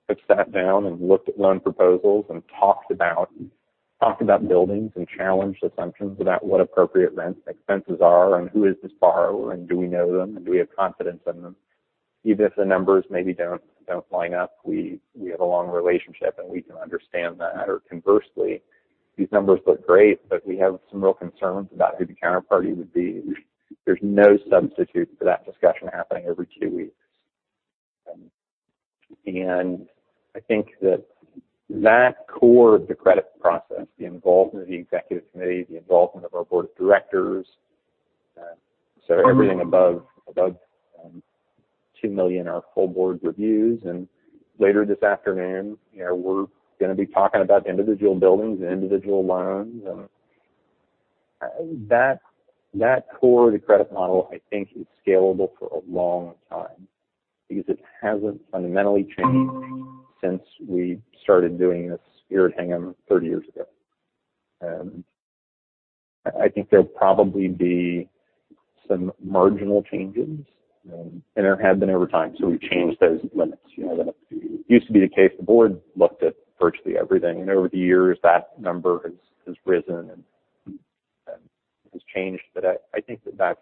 have sat down and looked at loan proposals and talked about buildings and challenged assumptions about what appropriate rents and expenses are and who is this borrower and do we know them and do we have confidence in them? Even if the numbers maybe don't line up, we have a long relationship and we can understand that. Conversely, these numbers look great, but we have some real concerns about who the counterparty would be. There's no substitute for that discussion happening every two weeks. I think that that core of the credit process, the involvement of the executive committee, the involvement of our board of directors, so everything above $2 million are full board reviews. Later this afternoon, you know, we're going to be talking about the individual buildings and individual loans. I think that core of the credit model, I think, is scalable for a long time because it hasn't fundamentally changed since we started doing this here at Hingham 30 years ago. I think there'll probably be some marginal changes, and there have been over time. We've changed those limits. You know, it used to be the case, the board looked at virtually everything, and over the years, that number has risen and has changed. I think that that's.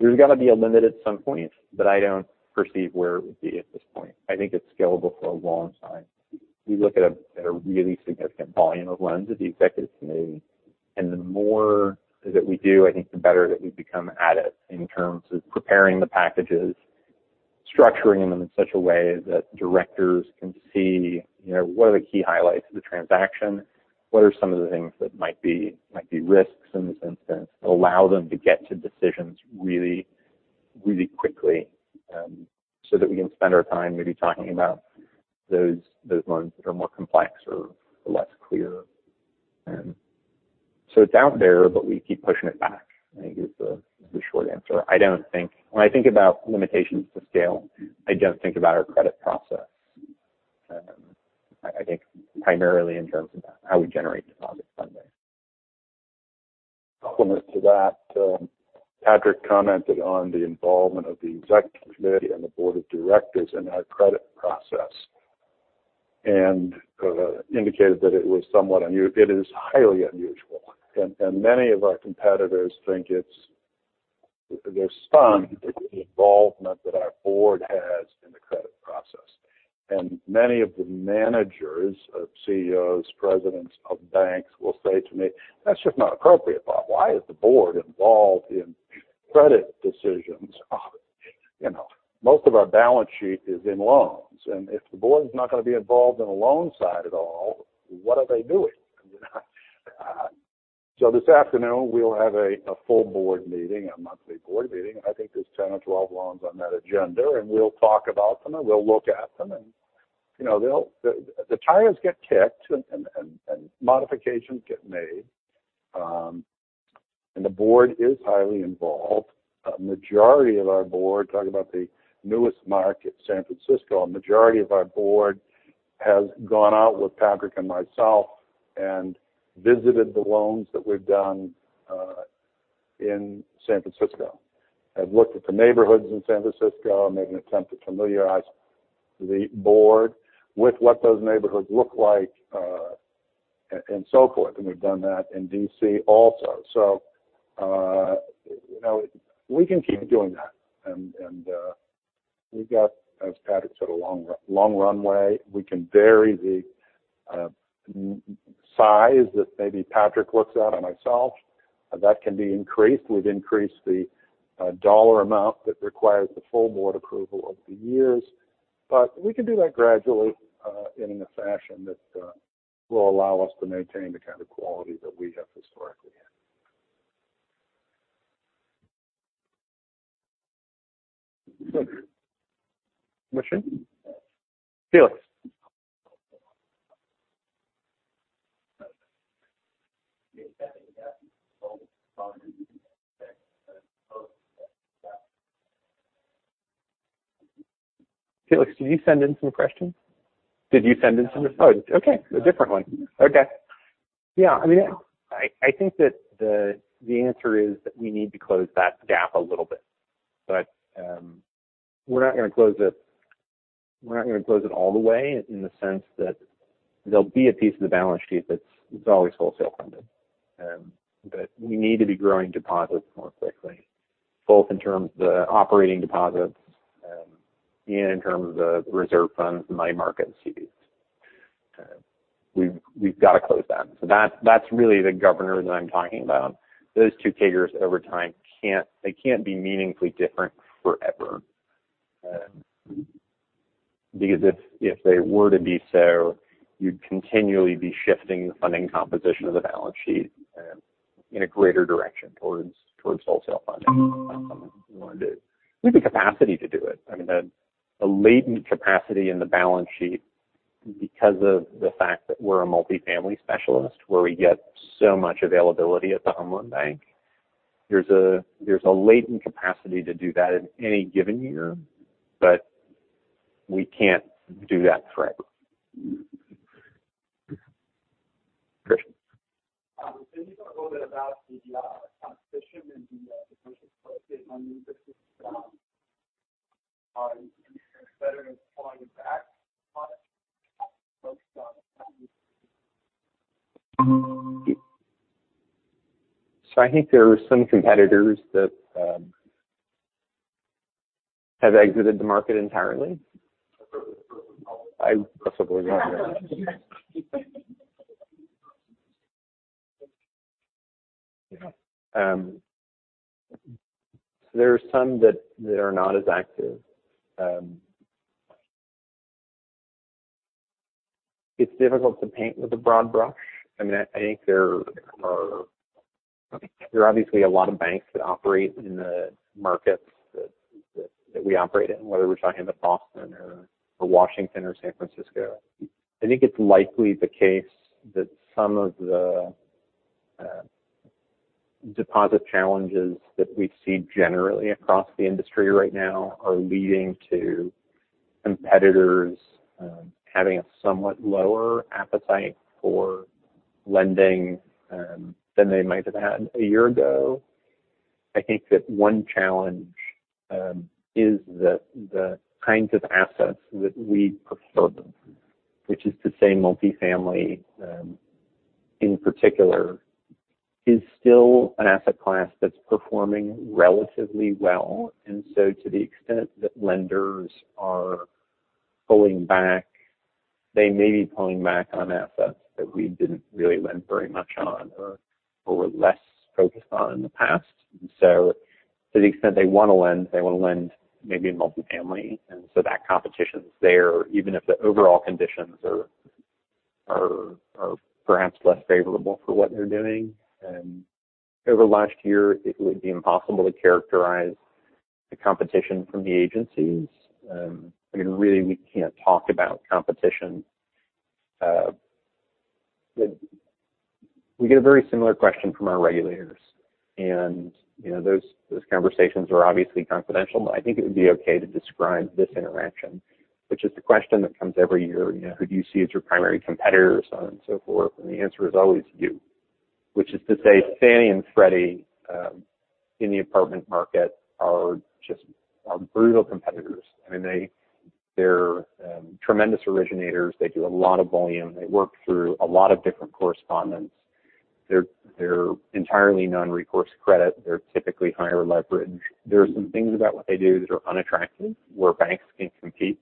There's got to be a limit at some point, but I don't perceive where it would be at this point. I think it's scalable for a long time. We look at a really significant volume of loans at the executive committee. The more that we do, I think the better that we become at it in terms of preparing the packages, structuring them in such a way that directors can see, you know, what are the key highlights of the transaction, what are some of the things that might be risks in this instance. Allow them to get to decisions really quickly, so that we can spend our time maybe talking about those loans that are more complex or less clear. It's out there, but we keep pushing it back, I think is the short answer. When I think about limitations to scale, I don't think about our credit process. I think primarily in terms of how we generate deposit funding. Complement to that, Patrick commented on the involvement of the Executive Committee and the Board of Directors in our credit process and indicated that it is highly unusual. And many of our competitors think it's—they're stunned at the involvement that our Board has in the credit process. Many of the managers, CEOs, presidents of banks will say to me, "That's just not appropriate, Bob. Why is the Board involved in credit decisions?" You know, most of our balance sheet is in loans, and if the Board is not gonna be involved in the loan side at all, what are they doing? This afternoon we'll have a full Board meeting, a monthly Board meeting. I think there's 10 or 12 loans on that agenda. We'll talk about them, we'll look at them, you know, the tires get kicked and modifications get made. The Board is highly involved. A majority of our board, talking about the newest market, San Francisco, a majority of our board has gone out with Patrick and myself and visited the loans that we've done in San Francisco, have looked at the neighborhoods in San Francisco and made an attempt to familiarize the board with what those neighborhoods look like, and so forth. We've done that in D.C. also. You know, we can keep doing that. We've got, as Patrick said, a long runway. We can vary the size that maybe Patrick looks at and myself. That can be increased. We've increased the dollar amount that requires the full board approval over the years. We can do that gradually, in a fashion that will allow us to maintain the kind of quality that we have historically had. Felix. Did you send in some questions? Did you send in some? Oh, okay. A different one. Okay. Yeah. I mean, I think that the answer is that we need to close that gap a little bit. We're not gonna close it all the way in the sense that there'll be a piece of the balance sheet that's always wholesale funded. We need to be growing deposits more quickly, both in terms of the operating deposits, and in terms of the reserve funds and money market CDs. We've got to close that. That's really the governor that I'm talking about. Those two figures over time they can't be meaningfully different forever. If, if they were to be so, you'd continually be shifting the funding composition of the balance sheet in a greater direction towards wholesale funding. Not something we wanna do. We have the capacity to do it. The latent capacity in the balance sheet because of the fact that we're a multifamily specialist, where we get so much availability at the home loan bank. There's a latent capacity to do that in any given year, but we can't do that forever. Cristian. Can you talk a little bit about the competition in the Commercial Real Estate Lending Business? Are you considering competitors pulling back on it? I think there are some competitors that have exited the market entirely. I possibly won't. There are some that are not as active. It's difficult to paint with a broad brush. I mean, I think there are obviously a lot of banks that operate in the markets that we operate in, whether we're talking about Boston or Washington or San Francisco. I think it's likely the case that some of the deposit challenges that we see generally across the industry right now are leading to competitors having a somewhat lower appetite for lending than they might have had a year ago. I think that one challenge is that the kinds of assets that we prefer, which is to say multifamily, in particular, is still an asset class that's performing relatively well. To the extent that lenders are pulling back, they may be pulling back on assets that we didn't really lend very much on or were less focused on in the past. To the extent they wanna lend, they wanna lend maybe in multifamily, so that competition's there even if the overall conditions are perhaps less favorable for what they're doing. Over last year, it would be impossible to characterize the competition from the agencies. I mean, really, we can't talk about competition. We get a very similar question from our regulators, and, you know, those conversations are obviously confidential. I think it would be okay to describe this interaction, which is the question that comes every year. You know, who do you see as your primary competitors so on and so forth, and the answer is always you. Which is to say Fannie and Freddie, in the apartment market are just, are brutal competitors. I mean, they're tremendous originators. They do a lot of volume. They work through a lot of different correspondents. They're, they're entirely non-recourse credit. They're typically higher leverage. There are some things about what they do that are unattractive, where banks can compete.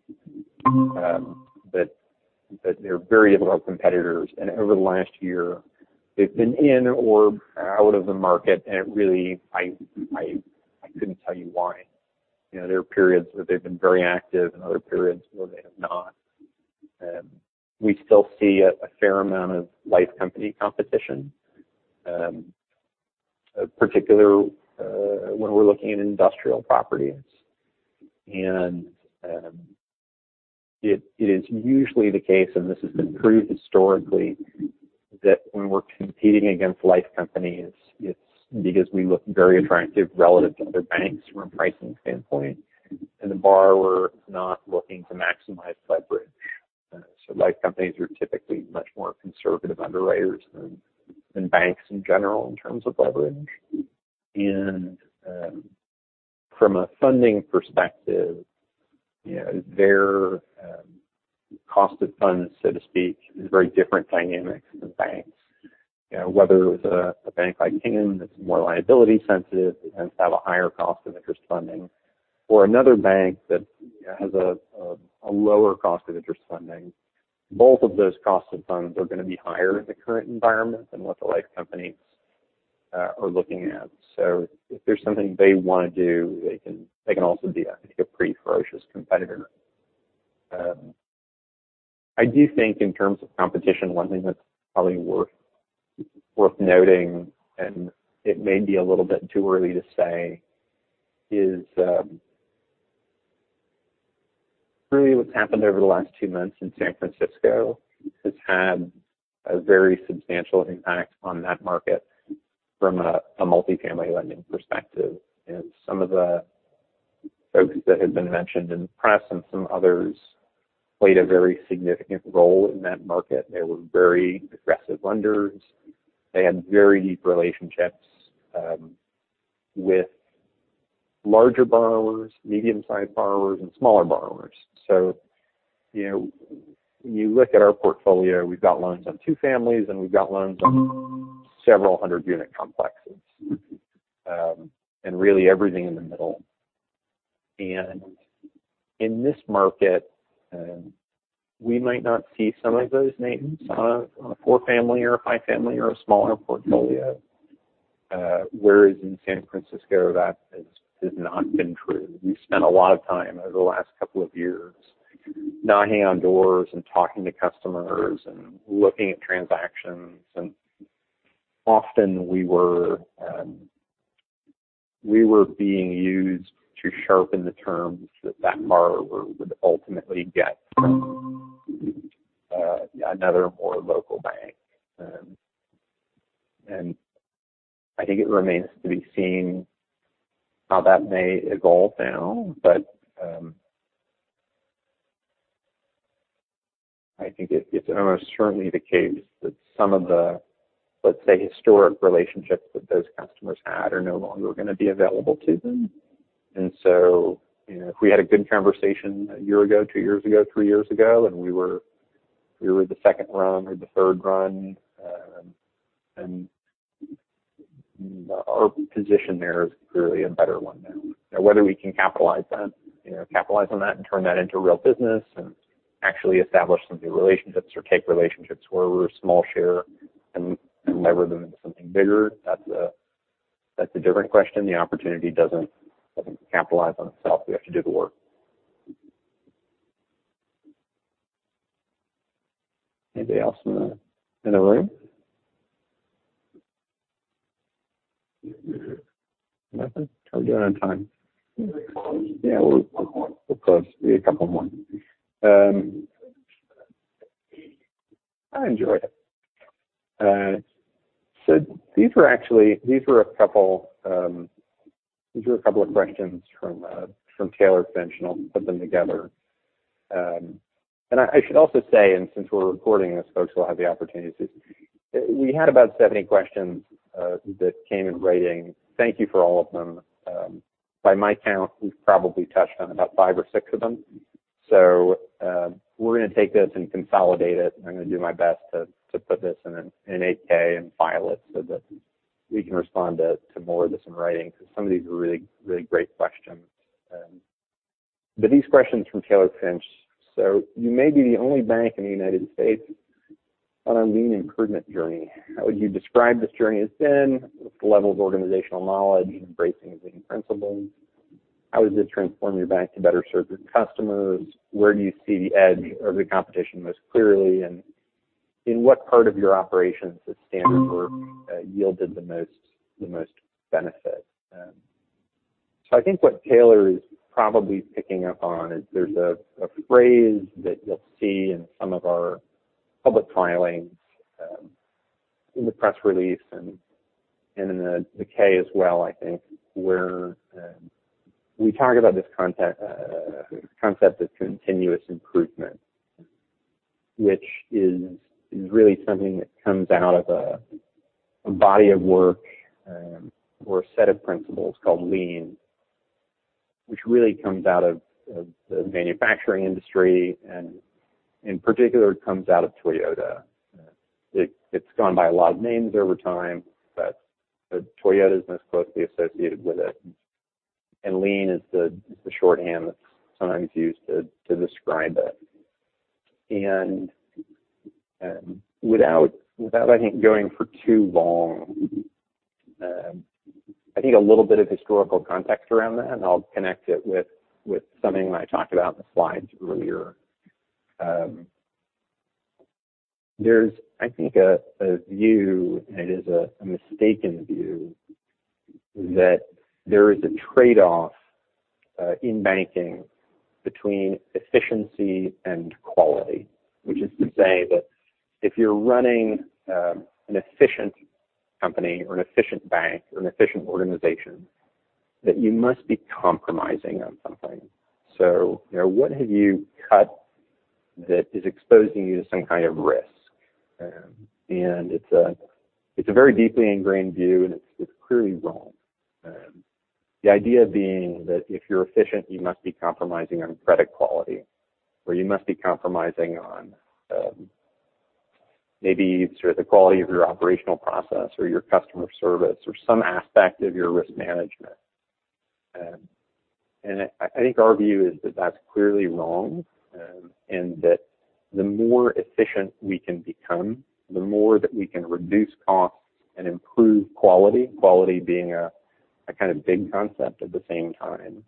They're very able competitors, and over the last year, they've been in or out of the market, and it really I couldn't tell you why. You know, there are periods where they've been very active and other periods where they have not. We still see a fair amount of life company competition, particularly when we're looking at industrial properties. It is usually the case, and this has been true historically, that when we're competing against life companies, it's because we look very attractive relative to other banks from a pricing standpoint, and the borrower is not looking to maximize leverage. So life companies are typically much more conservative underwriters than banks in general in terms of leverage. From a funding perspective, you know, their cost of funds, so to speak, is very different dynamics than banks. You know, whether it's a bank like Canon that's more liability sensitive, they tend to have a higher cost of interest funding, or another bank that has a lower cost of interest funding. Both of those costs of funds are gonna be higher in the current environment than what the life companies are looking at. If there's something they wanna do, they can also be a pretty ferocious competitor. I do think in terms of competition, one thing that's probably worth noting, and it may be a little bit too early to say, is really what's happened over the last two months in San Francisco has had a very substantial impact on that market from a multifamily lending perspective. Some of the folks that have been mentioned in press and some others played a very significant role in that market. They were very aggressive lenders. They had very deep relationships with larger borrowers, medium-sized borrowers, and smaller borrowers. You know, when you look at our portfolio, we've got loans on two-families, and we've got loans on several hundred unit complexes, and really everything in the middle. In this market, we might not see some of those names on a four-family or a five-family or a smaller portfolio, whereas in San Francisco, that has not been true. We spent a lot of time over the last couple of years knocking on doors and talking to customers and looking at transactions. Often we were being used to sharpen the terms that that borrower would ultimately get from another more local bank. I think it remains to be seen how that may evolve now, but I think it's almost certainly the case that some of the, let's say, historic relationships that those customers had are no longer gonna be available to them. You know, if we had a good conversation a year ago, two years ago, three years ago, and we were the second run or the third run, then our position there is clearly a better one now. Now whether we can capitalize that, you know, capitalize on that and turn that into real business and actually establish some new relationships or take relationships where we're a small share and lever them into something bigger, that's a different question. The opportunity doesn't capitalize on itself. We have to do the work. Anybody else in the room? Nothing. How we doing on time? Yeah. We're close. Maybe a couple more. I enjoyed it. These were actually a couple, these were a couple of questions from Taylor Finch, and I'll put them together. I should also say, since we're recording this, folks will have the opportunity to—we had about 70 questions that came in writing. Thank you for all of them. By my count, we've probably touched on about five or six of them. We're gonna take this and consolidate it. I'm gonna do my best to put this in an 8-K and file it so that we can respond to more of this in writing because some of these are really, really great questions. These questions from Taylor Finch. You may be the only bank in the United States on a lean improvement journey. How would you describe this journey as been with the level of organizational knowledge and embracing of lean principles? How has it transformed your bank to better serve your customers? Where do you see the edge over the competition most clearly? In what part of your operations has standard work yielded the most benefit? I think what Taylor is probably picking up on is there's a phrase that you'll see in some of our public filings, in the press release and in the K as well, I think, where we talk about this concept of continuous improvement. Which is really something that comes out of a body of work, or a set of principles called lean, which really comes out of the manufacturing industry, and in particular, it comes out of Toyota. It's gone by a lot of names over time, but Toyota's most closely associated with it. Lean is the shorthand that's sometimes used to describe it. Without I think going for too long, I think a little bit of historical context around that, and I'll connect it with something that I talked about in the slides earlier. There's, I think, a view, and it is a mistaken view that there is a trade-off in banking between efficiency and quality. Which is to say that if you're running an efficient company or an efficient bank or an efficient organization, that you must be compromising on something. You know, what have you cut that is exposing you to some kind of risk? And it's a very deeply ingrained view, and it's clearly wrong. The idea being that if you're efficient, you must be compromising on credit quality, or you must be compromising on, maybe sort of the quality of your operational process or your customer service or some aspect of your risk management. I think our view is that that's clearly wrong, and that the more efficient we can become, the more that we can reduce costs and improve quality being a kind of big concept at the same time.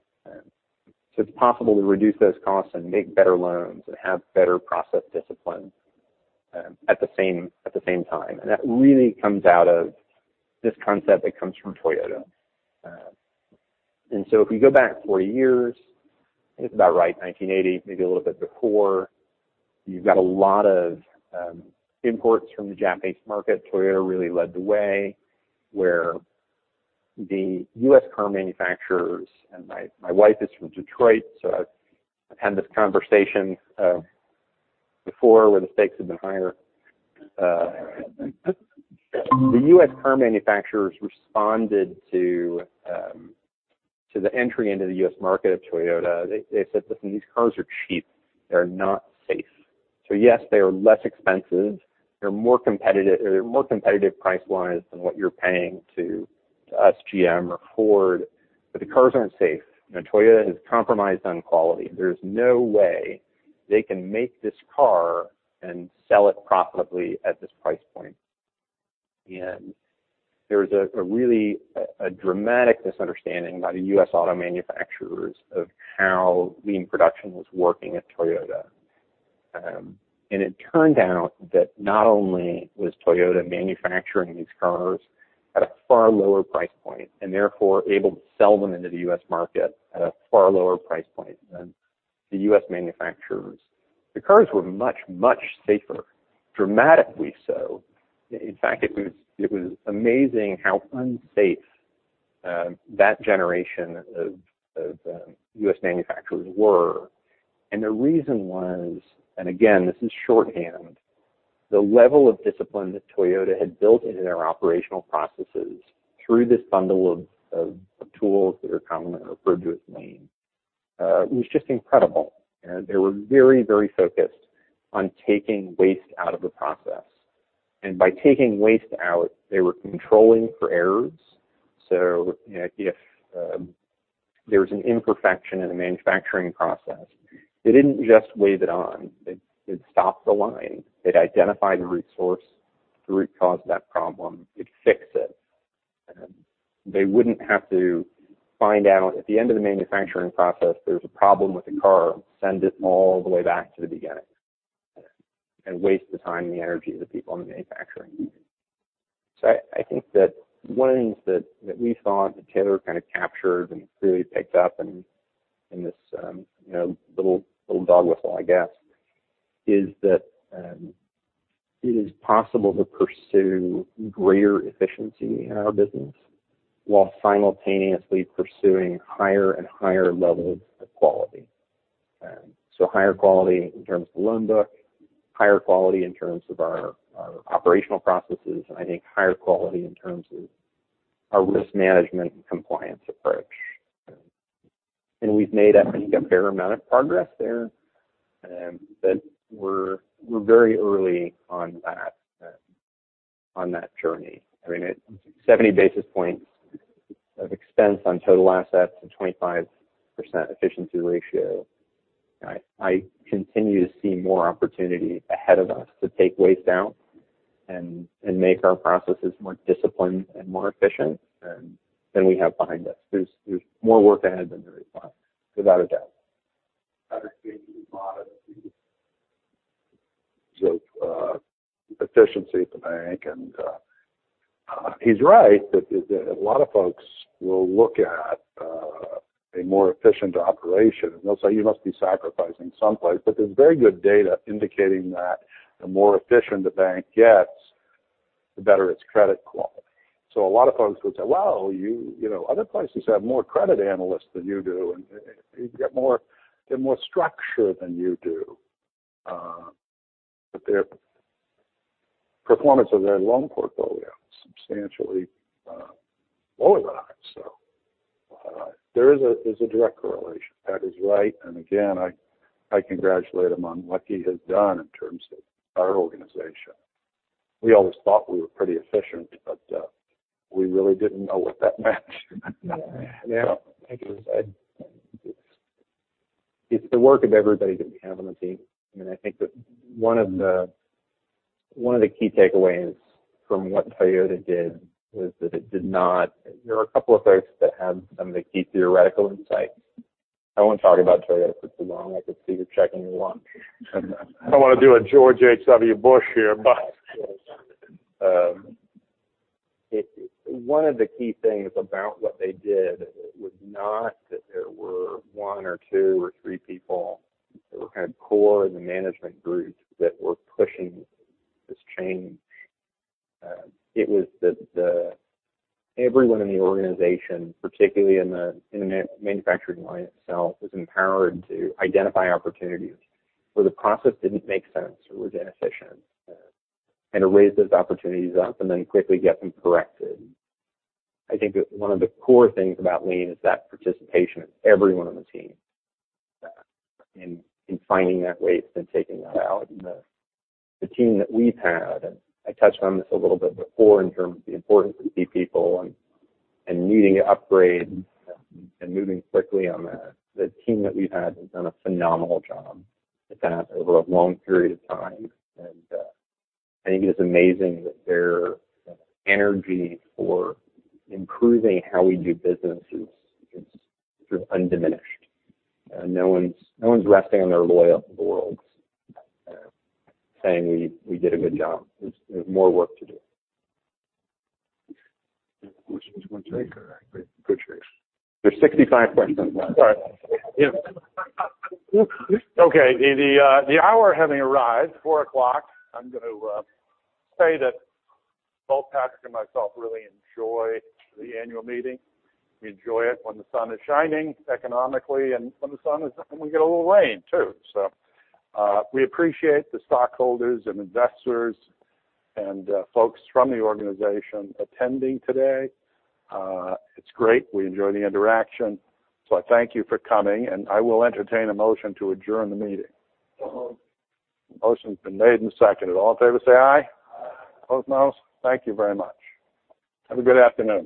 It's possible to reduce those costs and make better loans and have better process discipline, at the same time. That really comes out of this concept that comes from Toyota. If we go back 40 years, I think that's about right, 1980, maybe a little bit before, you've got a lot of imports from the Japanese market. Toyota really led the way where the U.S. car manufacturers— and my wife is from Detroit, so I've had this conversation before where the stakes have been higher. The U.S. car manufacturers responded to the entry into the U.S. market of Toyota. They said, "Listen, these cars are cheap. They're not safe. Yes, they are less expensive. They're more competitive, or they're more competitive price-wise than what you're paying to us, GM or Ford, but the cars aren't safe. You know, Toyota has compromised on quality. There's no way they can make this car and sell it profitably at this price point." There was a really, a dramatic misunderstanding by the U.S. auto manufacturers of how lean production was working at Toyota. It turned out that not only was Toyota manufacturing these cars at a far lower price point, and therefore able to sell them into the U.S. market at a far lower price point than the U.S. manufacturers. The cars were much, much safer, dramatically so. In fact, it was, it was amazing how unsafe, that generation of, U.S. manufacturers were. The reason was, and again, this is shorthand, the level of discipline that Toyota had built into their operational processes through this bundle of tools that are commonly referred to as lean, was just incredible. You know, they were very, very focused on taking waste out of the process. By taking waste out, they were controlling for errors. You know, if there was an imperfection in the manufacturing process, they didn't just wave it on. They'd stop the line. They'd identify the root source, the root cause of that problem, they'd fix it. They wouldn't have to find out at the end of the manufacturing process, there's a problem with the car, send it all the way back to the beginning, and waste the time and the energy of the people in manufacturing. I think that one of the things that we saw and that Taylor kind of captured and clearly picked up in this, you know, little dog whistle I guess, is that it is possible to pursue greater efficiency in our business while simultaneously pursuing higher and higher levels of quality. Higher quality in terms of the loan book, higher quality in terms of our operational processes, and I think higher quality in terms of our risk management and compliance approach. And we've made, I think, a fair amount of progress there, but we're very early on that journey. I mean, 70 basis points of expense on total assets and 25% efficiency ratio. I continue to see more opportunity ahead of us to take waste down and make our processes more disciplined and more efficient than we have behind us. There's more work ahead than there is behind us, without a doubt. Patrick gave you a lot of efficiency at the bank. He's right. A lot of folks will look at a more efficient operation, and they'll say, "You must be sacrificing someplace." There's very good data indicating that the more efficient the bank gets, the better its credit quality. A lot of folks would say, "Well, you know, other places have more credit analysts than you do. They've got more structure than you do." Their performance of their loan portfolio is substantially lower than ours. There's a direct correlation. That is right. Again, I congratulate him on what he has done in terms of our organization. We always thought we were pretty efficient. We really didn't know what that meant. Thank you, Ed. It's the work of everybody that we have on the team. I mean, I think that one of the key takeaways from what Toyota did was that it did not. There were a couple of folks that had some of the key theoretical insight. I won't talk about Toyota for too long. I can see you're checking your watch. I don't wanna do a George H.W. Bush here, but- One of the key things about what they did was not that there were one or two or three people that were kind of core in the management group that were pushing this change. It was everyone in the organization, particularly in the manufacturing line itself, was empowered to identify opportunities where the process didn't make sense or was inefficient, and to raise those opportunities up and then quickly get them corrected. I think that one of the core things about Lean is that participation of everyone on the team, in finding that waste and taking that out. The team that we've had, I touched on this a little bit before in terms of the importance we see people and needing to upgrade and moving quickly on the—the team that we've had has done a phenomenal job at that over a long period of time. I think it's amazing that their energy for improving how we do business is undiminished. No one's resting on their laurels saying we did a good job. There's more work to do. Questions you want to take or I take? There's 65 questions. Sorry. Okay. The hour having arrived, 4:00 P.M., I'm gonna say that both Patrick and myself really enjoy the annual meeting. We enjoy it when the sun is shining economically and when the sun is and when we get a little rain too. We appreciate the stockholders and investors and folks from the organization attending today. It's great. We enjoy the interaction. I thank you for coming, and I will entertain a motion to adjourn the meeting. So moved. Motion's been made and seconded. All in favor say, "Aye." Aye. None opposed. Thank you very much. Have a good afternoon.